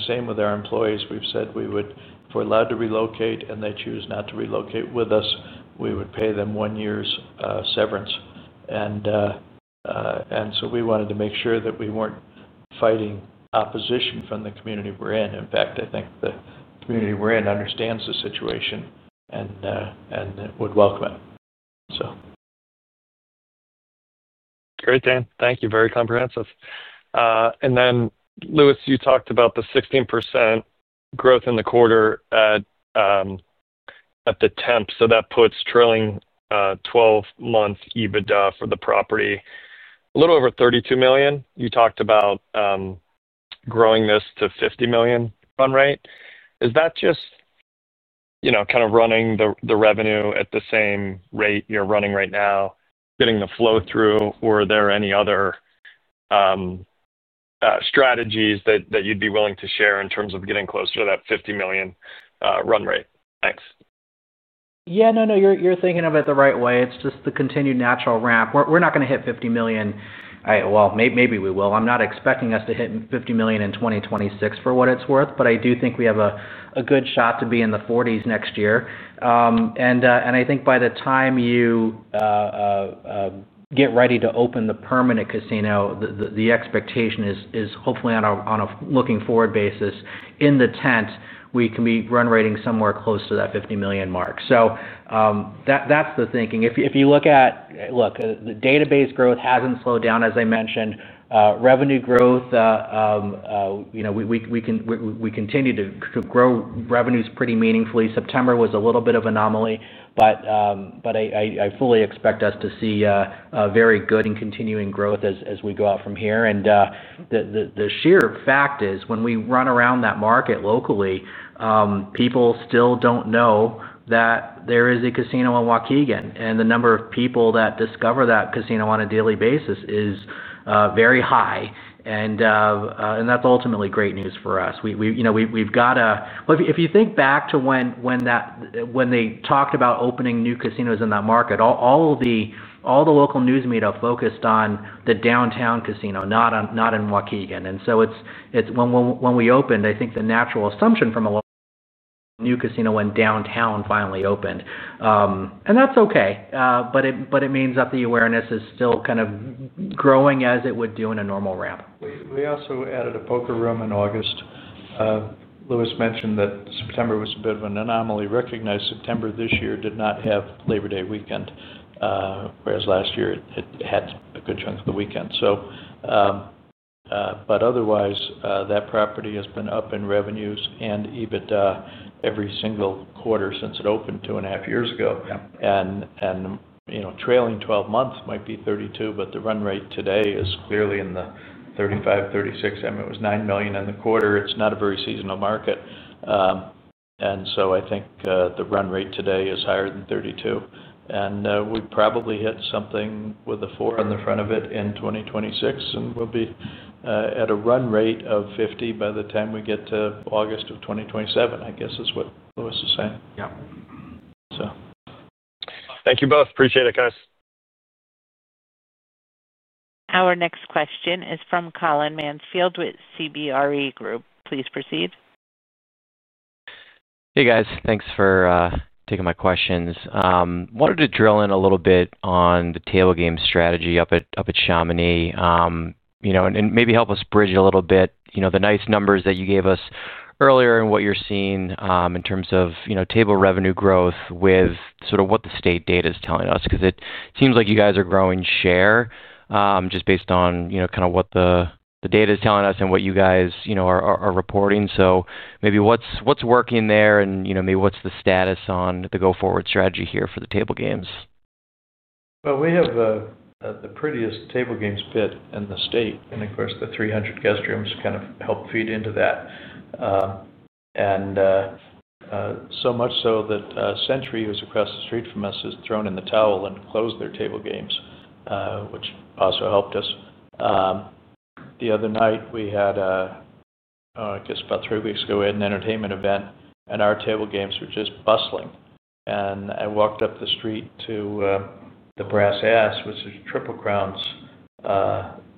same with our employees. We've said we would, if we're allowed to relocate and they choose not to relocate with us, we would pay them one year's severance. We wanted to make sure that we weren't fighting opposition from the community we're in. In fact, I think the community we're in understands the situation and would welcome it. Great, Dan. Thank you. Very comprehensive. Lewis, you talked about the 16% growth in the quarter. At the 10th. That puts trailing 12-month EBITDA for the property a little over $32 million. You talked about growing this to $50 million run rate. Is that just kind of running the revenue at the same rate you're running right now, getting the flow through? Or are there any other strategies that you'd be willing to share in terms of getting closer to that $50 million run rate? Thanks. Yeah. No, no. You're thinking of it the right way. It's just the continued natural ramp. We're not going to hit $50 million. All right. Maybe we will. I'm not expecting us to hit $50 million in 2026 for what it's worth. I do think we have a good shot to be in the $40 million range next year. I think by the time you get ready to open the permanent casino, the expectation is hopefully on a looking-forward basis, in the tenth, we can be run rating somewhere close to that $50 million mark. That's the thinking. If you look at, look, the database growth hasn't slowed down, as I mentioned. Revenue growth, we continue to grow revenues pretty meaningfully. September was a little bit of an anomaly. I fully expect us to see very good and continuing growth as we go out from here. The sheer fact is when we run around that market locally, people still do not know that there is a casino in Waukegan. The number of people that discover that casino on a daily basis is very high. That is ultimately great news for us. If you think back to when they talked about opening new casinos in that market, all the local news media focused on the downtown casino, not in Waukegan. When we opened, I think the natural assumption from a lot of people was that the new casino was downtown when it finally opened. That is okay. It means that the awareness is still kind of growing as it would do in a normal ramp. We also added a poker room in August. Lewis mentioned that September was a bit of an anomaly. Recognize September this year did not have Labor Day weekend, whereas last year it had a good chunk of the weekend. Otherwise, that property has been up in revenues and EBITDA every single quarter since it opened two and a half years ago. Trailing 12 months might be $32 million, but the run rate today is clearly in the $35 million-$36 million. I mean, it was $9 million in the quarter. It's not a very seasonal market, and I think the run rate today is higher than $32 million. We probably hit something with a $4 million on the front of it in 2026, and we'll be at a run rate of $50 million by the time we get to August of 2027, I guess is what Lewis is saying. Thank you both. Appreciate it, guys. Our next question is from Colin Mansfield with CBRE Group. Please proceed. Hey, guys. Thanks for taking my questions. Wanted to drill in a little bit on the table game strategy up at Chamonix. And maybe help us bridge a little bit the nice numbers that you gave us earlier and what you're seeing in terms of table revenue growth with sort of what the state data is telling us. Because it seems like you guys are growing share just based on kind of what the data is telling us and what you guys are reporting. So maybe what's working there and maybe what's the status on the go-forward strategy here for the table games? We have the prettiest table games pit in the state. Of course, the 300 guest rooms kind of help feed into that. So much so that Century, who's across the street from us, has thrown in the towel and closed their table games, which also helped us. The other night, about three weeks ago, we had an entertainment event, and our table games were just bustling. I walked up the street to the Brass Ass, which is Triple Crown's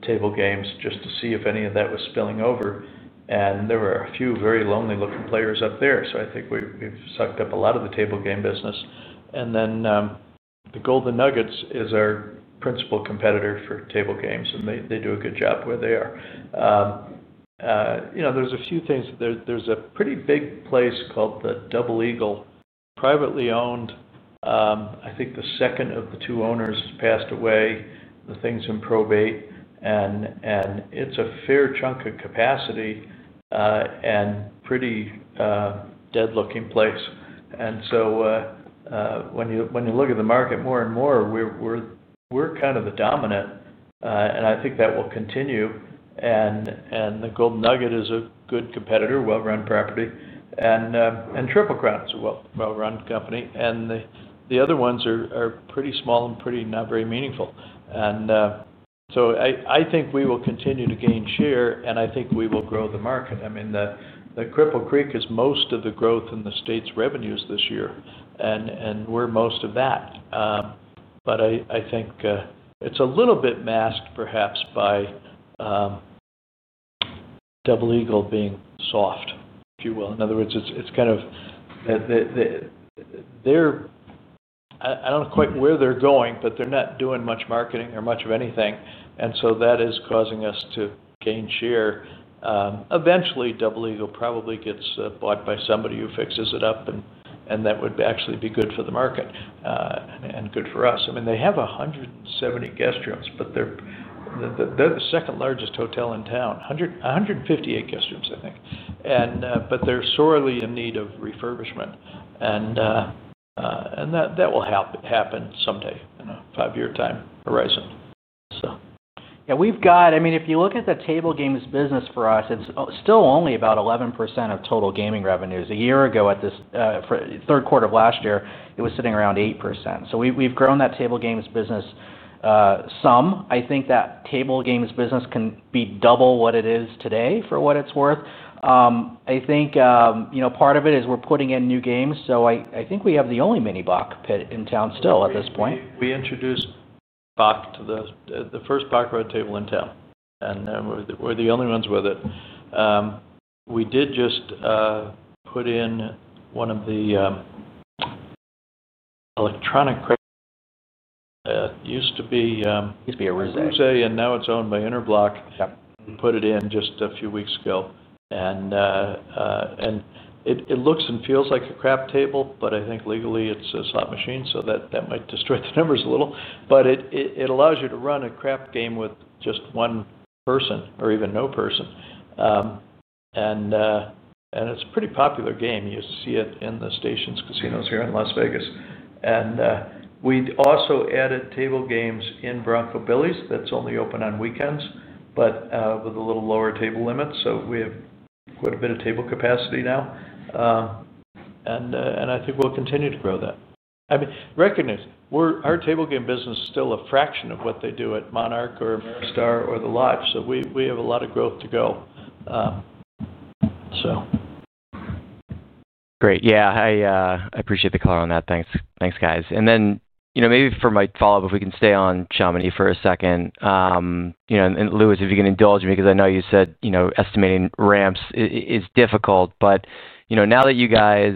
table games, just to see if any of that was spilling over. There were a few very lonely-looking players up there. I think we've sucked up a lot of the table game business. The Golden Nugget is our principal competitor for table games, and they do a good job where they are. There's a few things. There's a pretty big place called the Double Eagle, privately owned. I think the second of the two owners has passed away, the thing's in probate. And it's a fair chunk of capacity. Pretty dead-looking place. When you look at the market more and more, we're kind of the dominant. I think that will continue. The Golden Nugget is a good competitor, well-run property. Triple Crown is a well-run company. The other ones are pretty small and not very meaningful. I think we will continue to gain share. I think we will grow the market. I mean, Cripple Creek is most of the growth in the state's revenues this year, and we're most of that. I think it's a little bit masked, perhaps, by Double Eagle being soft, if you will. In other words, it's kind of. They're—I don't know quite where they're going, but they're not doing much marketing or much of anything. That is causing us to gain share. Eventually, Double Eagle probably gets bought by somebody who fixes it up. That would actually be good for the market. And good for us. I mean, they have 170 guest rooms, but they're the second largest hotel in town, 158 guest rooms, I think. They're sorely in need of refurbishment. That will happen someday in a five-year time horizon. Yeah. I mean, if you look at the table games business for us, it's still only about 11% of total gaming revenues. A year ago, at the third quarter of last year, it was sitting around 8%. So we've grown that table games business some. I think that table games business can be double what it is today for what it's worth. I think part of it is we're putting in new games. I think we have the only mini-bock pit in town still at this point. We introduced baccarat to the first baccarat table in town. And we're the only ones with it. We did just put in one of the electronic craps. It used to be. It used to be a rosé. Rosé, and now it's owned by Interblock. We put it in just a few weeks ago. It looks and feels like a crap table. I think legally it's a slot machine. That might destroy the numbers a little. It allows you to run a crap game with just one person or even no person. It's a pretty popular game. You see it in the Stations casinos here in Las Vegas. We also added table games in Bronco Billy's. That's only open on weekends, but with a little lower table limit. We have quite a bit of table capacity now. I think we'll continue to grow that. I mean, recognize our table game business is still a fraction of what they do at Monarch or Ameristar or the Lodge. We have a lot of growth to go. Great. Yeah. I appreciate the color on that. Thanks, guys. Maybe for my follow-up, if we can stay on Chamonix for a second. Lewis, if you can indulge me because I know you said estimating ramps is difficult. Now that you guys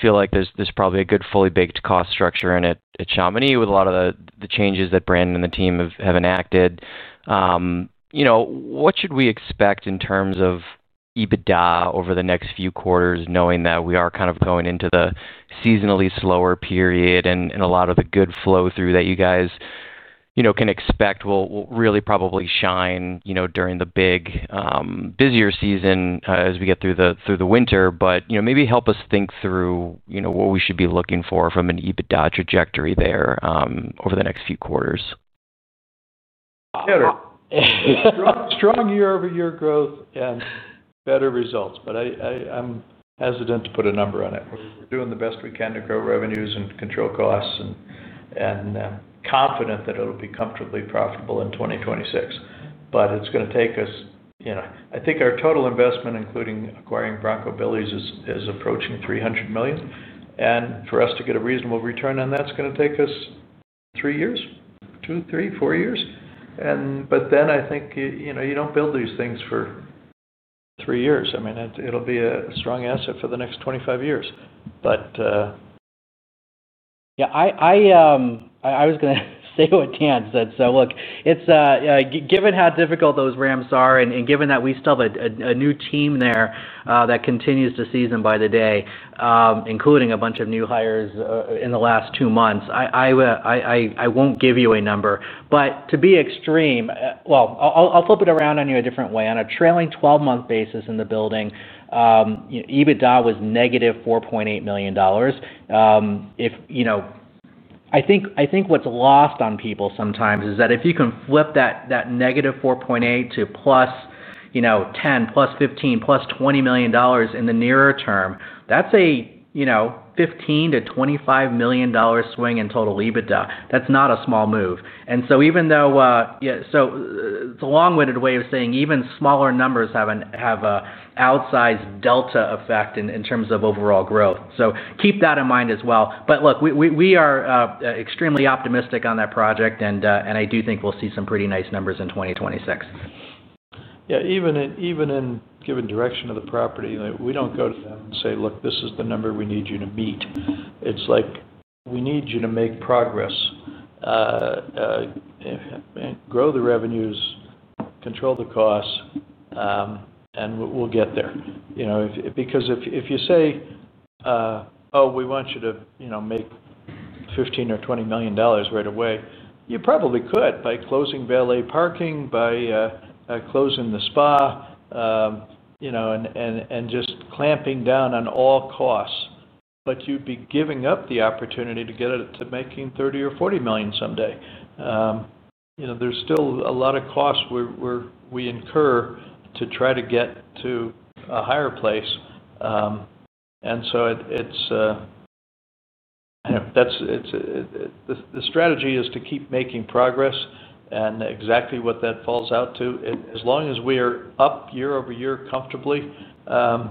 feel like there's probably a good fully-baked cost structure in at Chamonix with a lot of the changes that Brandon and the team have enacted, what should we expect in terms of EBITDA over the next few quarters, knowing that we are kind of going into the seasonally slower period? A lot of the good flow-through that you guys can expect will really probably shine during the big, busier season as we get through the winter. Maybe help us think through what we should be looking for from an EBITDA trajectory there over the next few quarters. Strong year-over-year growth and better results. I'm hesitant to put a number on it. We're doing the best we can to grow revenues and control costs. Confident that it'll be comfortably profitable in 2026. It's going to take us—I think our total investment, including acquiring Bronco Billy's, is approaching $300 million. For us to get a reasonable return on that, it's going to take us three years, two, three, four years. I think you don't build these things for three years. I mean, it'll be a strong asset for the next 25 years. Yeah. I was going to say what Dan said. Look, given how difficult those ramps are and given that we still have a new team there that continues to season by the day, including a bunch of new hires in the last two months, I won't give you a number. To be extreme—well, I'll flip it around on you a different way. On a trailing 12-month basis in the building, EBITDA was -$4.8 million. I think what's lost on people sometimes is that if you can flip that -$4.8 million to +$10 million, +$15 million, +$20 million in the nearer term, that's a $15 million-$25 million swing in total EBITDA. That's not a small move. Even though—so it's a long-winded way of saying even smaller numbers have an outsized delta effect in terms of overall growth. Keep that in mind as well. But look, we are extremely optimistic on that project. And I do think we'll see some pretty nice numbers in 2026. Yeah. Even in giving direction of the property, we don't go to them and say, "Look, this is the number we need you to meet." It's like, "We need you to make progress. Grow the revenues, control the costs. And we'll get there." Because if you say, "Oh, we want you to make $15 million or $20 million right away," you probably could by closing valet parking, by closing the spa, and just clamping down on all costs. But you'd be giving up the opportunity to get it to making $30 million or $40 million someday. There's still a lot of costs we incur to try to get to a higher place. The strategy is to keep making progress. And exactly what that falls out to, as long as we are up year over year comfortably, then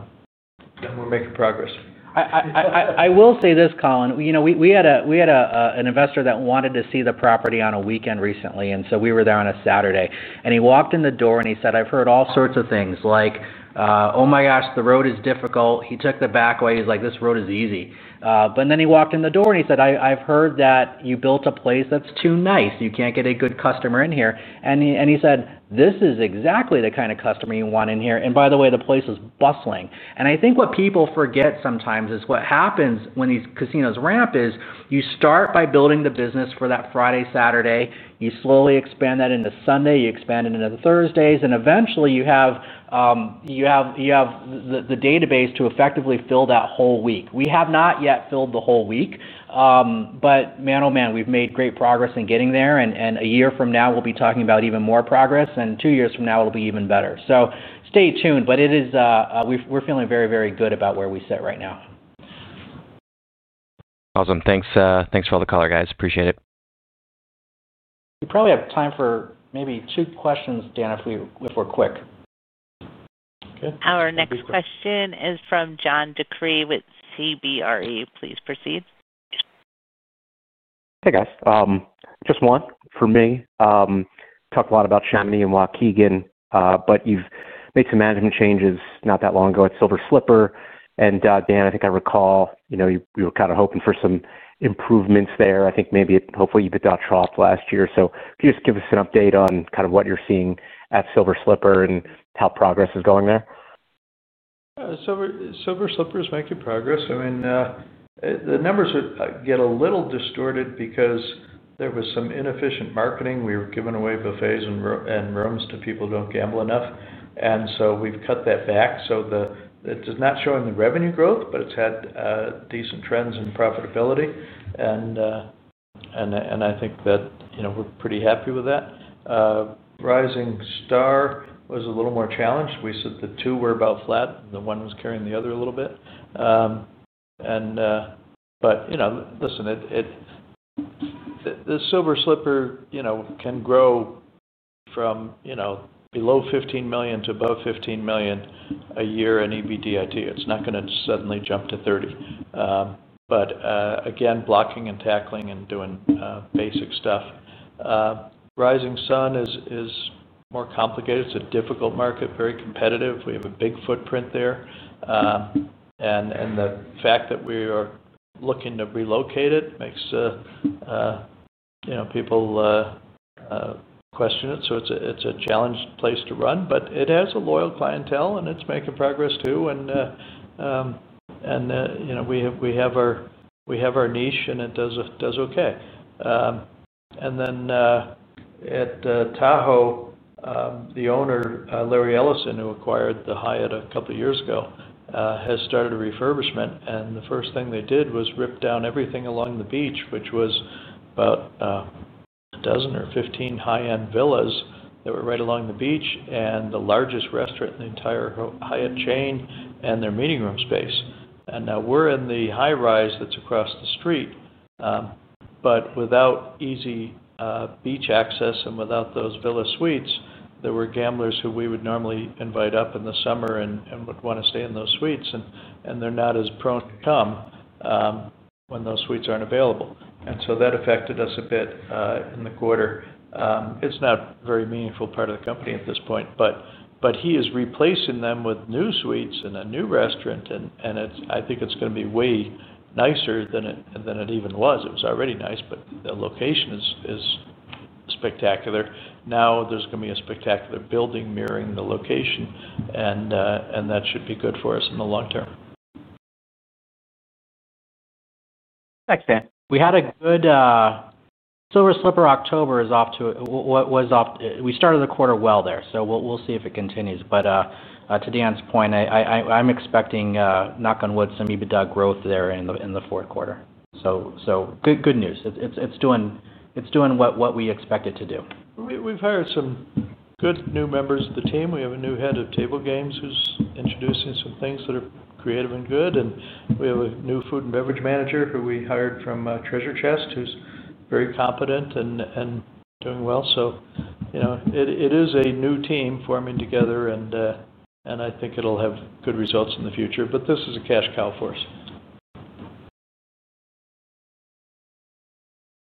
we're making progress. I will say this, Colin. We had an investor that wanted to see the property on a weekend recently. We were there on a Saturday. He walked in the door and he said, "I've heard all sorts of things like, 'Oh my gosh, the road is difficult.'" He took the back way. He's like, "This road is easy." He walked in the door and he said, "I've heard that you built a place that's too nice. You can't get a good customer in here." He said, "This is exactly the kind of customer you want in here. By the way, the place is bustling." I think what people forget sometimes is what happens when these casinos ramp is you start by building the business for that Friday, Saturday. You slowly expand that into Sunday. You expand it into the Thursdays. Eventually, you have the database to effectively fill that whole week. We have not yet filled the whole week. Man, oh man, we've made great progress in getting there. A year from now, we'll be talking about even more progress. Two years from now, it'll be even better. Stay tuned. We're feeling very, very good about where we sit right now. Awesome. Thanks for all the color, guys. Appreciate it. We probably have time for maybe two questions, Dan, if we're quick. Okay. Our next question is from John DeCree with CBRE. Please proceed. Hey, guys. Just one for me. Talked a lot about Chamonix and Waukegan. You have made some management changes not that long ago at Silver Slipper. Dan, I think I recall you were kind of hoping for some improvements there. I think maybe hopefully EBITDA dropped last year. Can you just give us an update on kind of what you're seeing at Silver Slipper and how progress is going there? Silver Slipper is making progress. I mean, the numbers get a little distorted because there was some inefficient marketing. We were giving away buffets and rooms to people who do not gamble enough, and we have cut that back. It is not showing the revenue growth, but it has had decent trends in profitability. I think that we are pretty happy with that. Rising Star was a little more challenged. We said the two were about flat. The one was carrying the other a little bit. Listen, the Silver Slipper can grow from below $15 million to above $15 million a year in EBITDA. It is not going to suddenly jump to $30 million. Again, blocking and tackling and doing basic stuff. Rising Sun is more complicated. It is a difficult market, very competitive. We have a big footprint there. The fact that we are looking to relocate it makes people. It is a challenged place to run. It has a loyal clientele. It is making progress too. We have our niche. It does okay. At Tahoe, the owner, Larry Ellison, who acquired the Hyatt a couple of years ago, has started a refurbishment. The first thing they did was rip down everything along the beach, which was about a dozen or 15 high-end villas that were right along the beach and the largest restaurant in the entire Hyatt chain and their meeting room space. Now we are in the high rise that is across the street. Without easy beach access and without those villa suites, there were gamblers who we would normally invite up in the summer and would want to stay in those suites. They are not as prone to come when those suites are not available. That affected us a bit in the quarter. It's not a very meaningful part of the company at this point. He is replacing them with new suites and a new restaurant. I think it's going to be way nicer than it even was. It was already nice. The location is spectacular. Now there's going to be a spectacular building mirroring the location. That should be good for us in the long term. Thanks, Dan. We had a good. Silver Slipper October is off to—we started the quarter well there. We will see if it continues. To Dan's point, I am expecting, knock on wood, some EBITDA growth there in the fourth quarter. Good news. It is doing what we expected it to do. We've hired some good new members of the team. We have a new head of table games who's introducing some things that are creative and good. We have a new food and beverage manager who we hired from Treasure Chest, who's very competent and doing well. It is a new team forming together. I think it'll have good results in the future. This is a cash cow for us.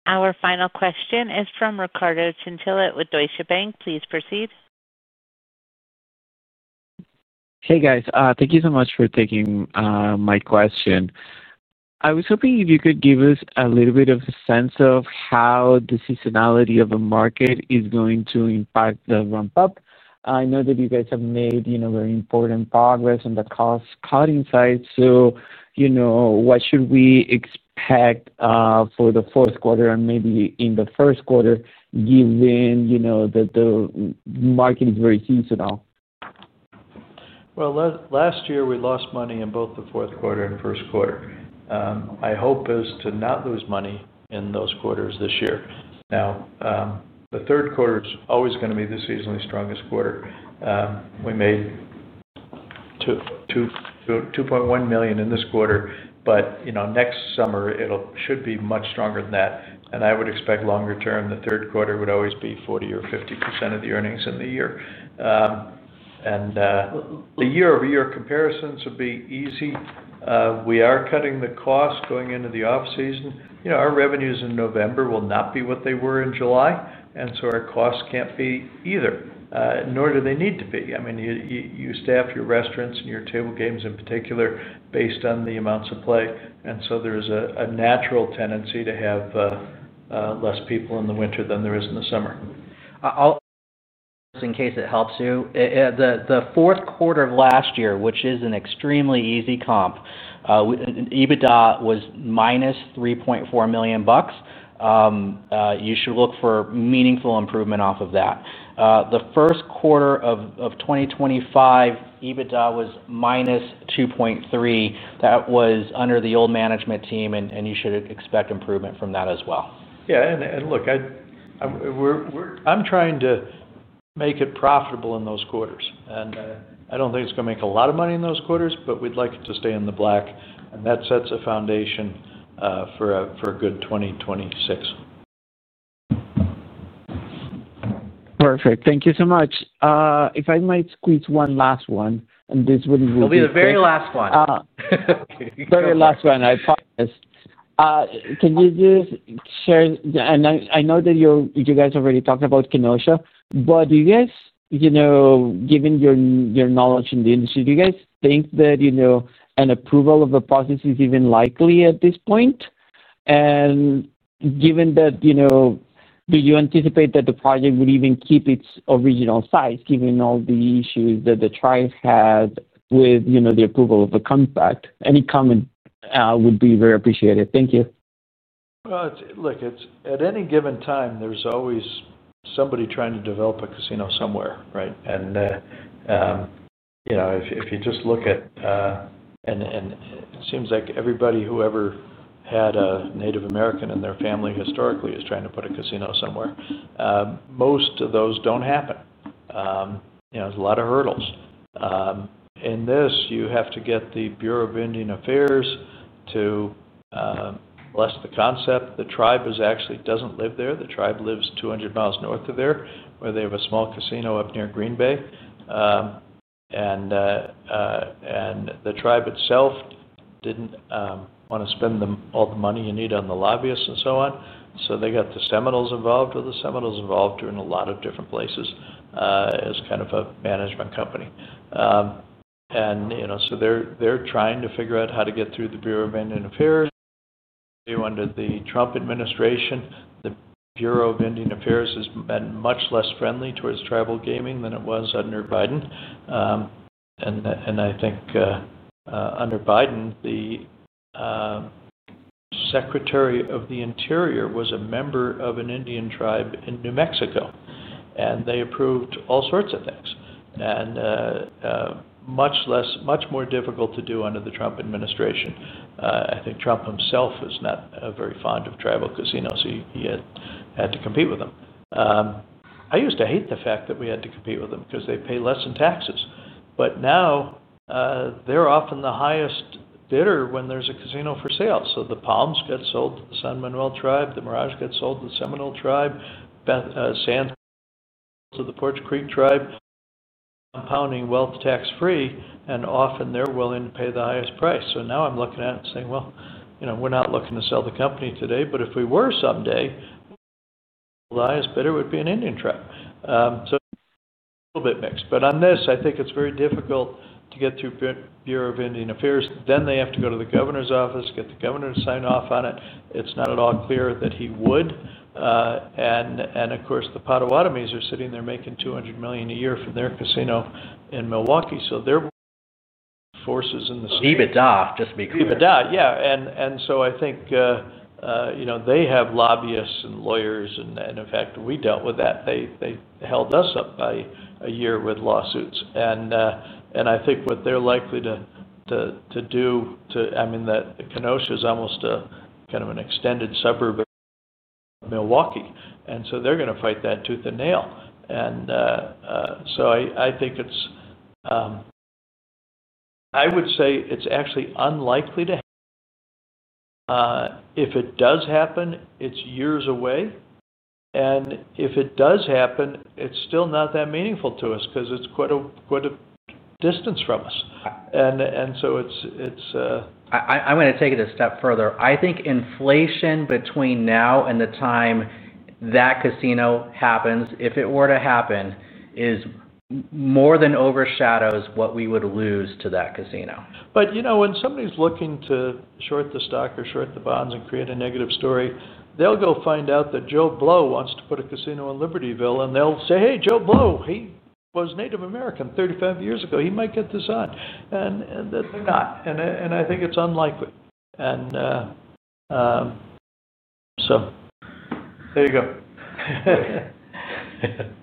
Our final question is from Ricardo Chinchilla with Deutsche Bank. Please proceed. Hey, guys. Thank you so much for taking my question. I was hoping if you could give us a little bit of a sense of how the seasonality of the market is going to impact the ramp-up. I know that you guys have made very important progress on the cost-cutting side. What should we expect for the fourth quarter and maybe in the first quarter, given that the market is very seasonal? Last year we lost money in both the fourth quarter and first quarter. My hope is to not lose money in those quarters this year. The third quarter is always going to be the seasonally strongest quarter. We made $2.1 million in this quarter. Next summer, it should be much stronger than that. I would expect longer-term, the third quarter would always be 40% or 50% of the earnings in the year. The year-over-year comparisons would be easy. We are cutting the cost going into the off-season. Our revenues in November will not be what they were in July, and so our costs cannot be either, nor do they need to be. I mean, you staff your restaurants and your table games in particular based on the amounts of play. There is a natural tendency to have. Less people in the winter than there is in the summer. Just in case it helps you, the fourth quarter of last year, which is an extremely easy comp. EBITDA was -$3.4 million. You should look for meaningful improvement off of that. The first quarter of 2025, EBITDA was -$2.3 million. That was under the old management team. You should expect improvement from that as well. Yeah. Look. I'm trying to make it profitable in those quarters. I don't think it's going to make a lot of money in those quarters, but we'd like it to stay in the black. That sets a foundation for a good 2026. Perfect. Thank you so much. If I might squeeze one last one, and this would be the. It'll be the very last one. Very last one. I promise. Can you just share—and I know that you guys already talked about Kenosha. Do you guys, given your knowledge in the industry, do you guys think that an approval of the process is even likely at this point? Given that, do you anticipate that the project would even keep its original size, given all the issues that the tribe had with the approval of the compact? Any comment would be very appreciated. Thank you. Look, at any given time, there's always somebody trying to develop a casino somewhere, right? If you just look at— It seems like everybody who ever had a Native American in their family historically is trying to put a casino somewhere. Most of those don't happen. There's a lot of hurdles. In this, you have to get the Bureau of Indian Affairs to bless the concept. The tribe actually doesn't live there. The tribe lives 200 mi north of there, where they have a small casino up near Green Bay. The tribe itself didn't want to spend all the money you need on the lobbyists and so on. They got the Seminoles involved, who are involved in a lot of different places as kind of a management company. They are trying to figure out how to get through the Bureau of Indian Affairs. Under the Trump administration, the Bureau of Indian Affairs has been much less friendly towards tribal gaming than it was under Biden. I think under Biden, the Secretary of the Interior was a member of an Indian tribe in New Mexico. They approved all sorts of things. It was much more difficult to do under the Trump administration. I think Trump himself was not very fond of tribal casinos. He had to compete with them. I used to hate the fact that we had to compete with them because they pay less in taxes. Now they're often the highest bidder when there's a casino for sale. The Palms get sold to the San Manuel tribe. The Mirage gets sold to the Seminole tribe. Sands gets sold to the Poarch Creek tribe. Compounding wealth tax-free. Often, they're willing to pay the highest price. Now I'm looking at it and saying, "We're not looking to sell the company today. But if we were someday, the highest bidder would be an Indian tribe." It's a little bit mixed. On this, I think it's very difficult to get through Bureau of Indian Affairs. Then they have to go to the governor's office, get the governor to sign off on it. It's not at all clear that he would. Of course, the Potawatomis are sitting there making $200 million a year from their casino in Milwaukee. They're forces in the. EBITDA, just to be clear. EBITDA, yeah. I think they have lobbyists and lawyers. In fact, we dealt with that. They held us up by a year with lawsuits. I think what they're likely to do—I mean, Kenosha is almost kind of an extended suburb of Milwaukee. They're going to fight that tooth and nail. I think it's actually unlikely to happen. If it does happen, it's years away. If it does happen, it's still not that meaningful to us because it's quite a distance from us. I'm going to take it a step further. I think inflation between now and the time that casino happens, if it were to happen, more than overshadows what we would lose to that casino. When somebody's looking to short the stock or short the bonds and create a negative story, they'll go find out that Joe Blow wants to put a casino in Libertyville. They'll say, "Hey, Joe Blow, he was Native American 35 years ago. He might get this on." They're not. I think it's unlikely. There you go.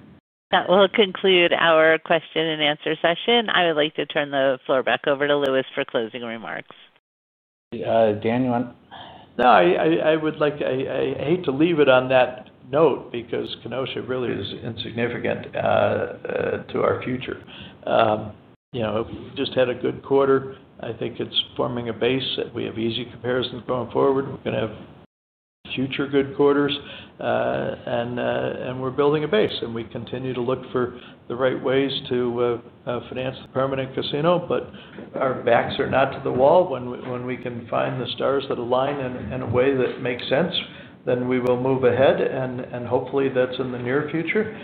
That will conclude our question and answer session. I would like to turn the floor back over to Lewis for closing remarks. Dan, you want? No, I would like to—I hate to leave it on that note because Kenosha really is insignificant to our future. We've just had a good quarter. I think it's forming a base. We have easy comparisons going forward. We're going to have future good quarters. We're building a base. We continue to look for the right ways to finance the permanent casino. Our backs are not to the wall. When we can find the stars that align in a way that makes sense, then we will move ahead. Hopefully, that's in the near future.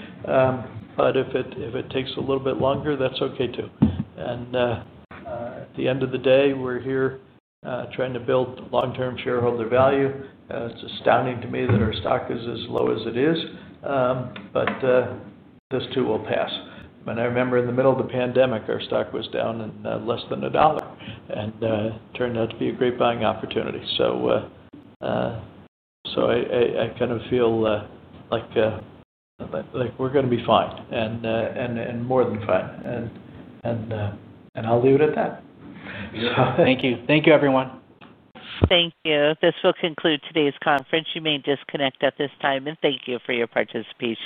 If it takes a little bit longer, that's okay too. At the end of the day, we're here trying to build long-term shareholder value. It's astounding to me that our stock is as low as it is. This too will pass. I mean, I remember in the middle of the pandemic, our stock was down in less than a dollar. It turned out to be a great buying opportunity. I kind of feel like we're going to be fine. More than fine. I'll leave it at that. Thank you. Thank you, everyone. Thank you. This will conclude today's conference. You may disconnect at this time. Thank you for your participation.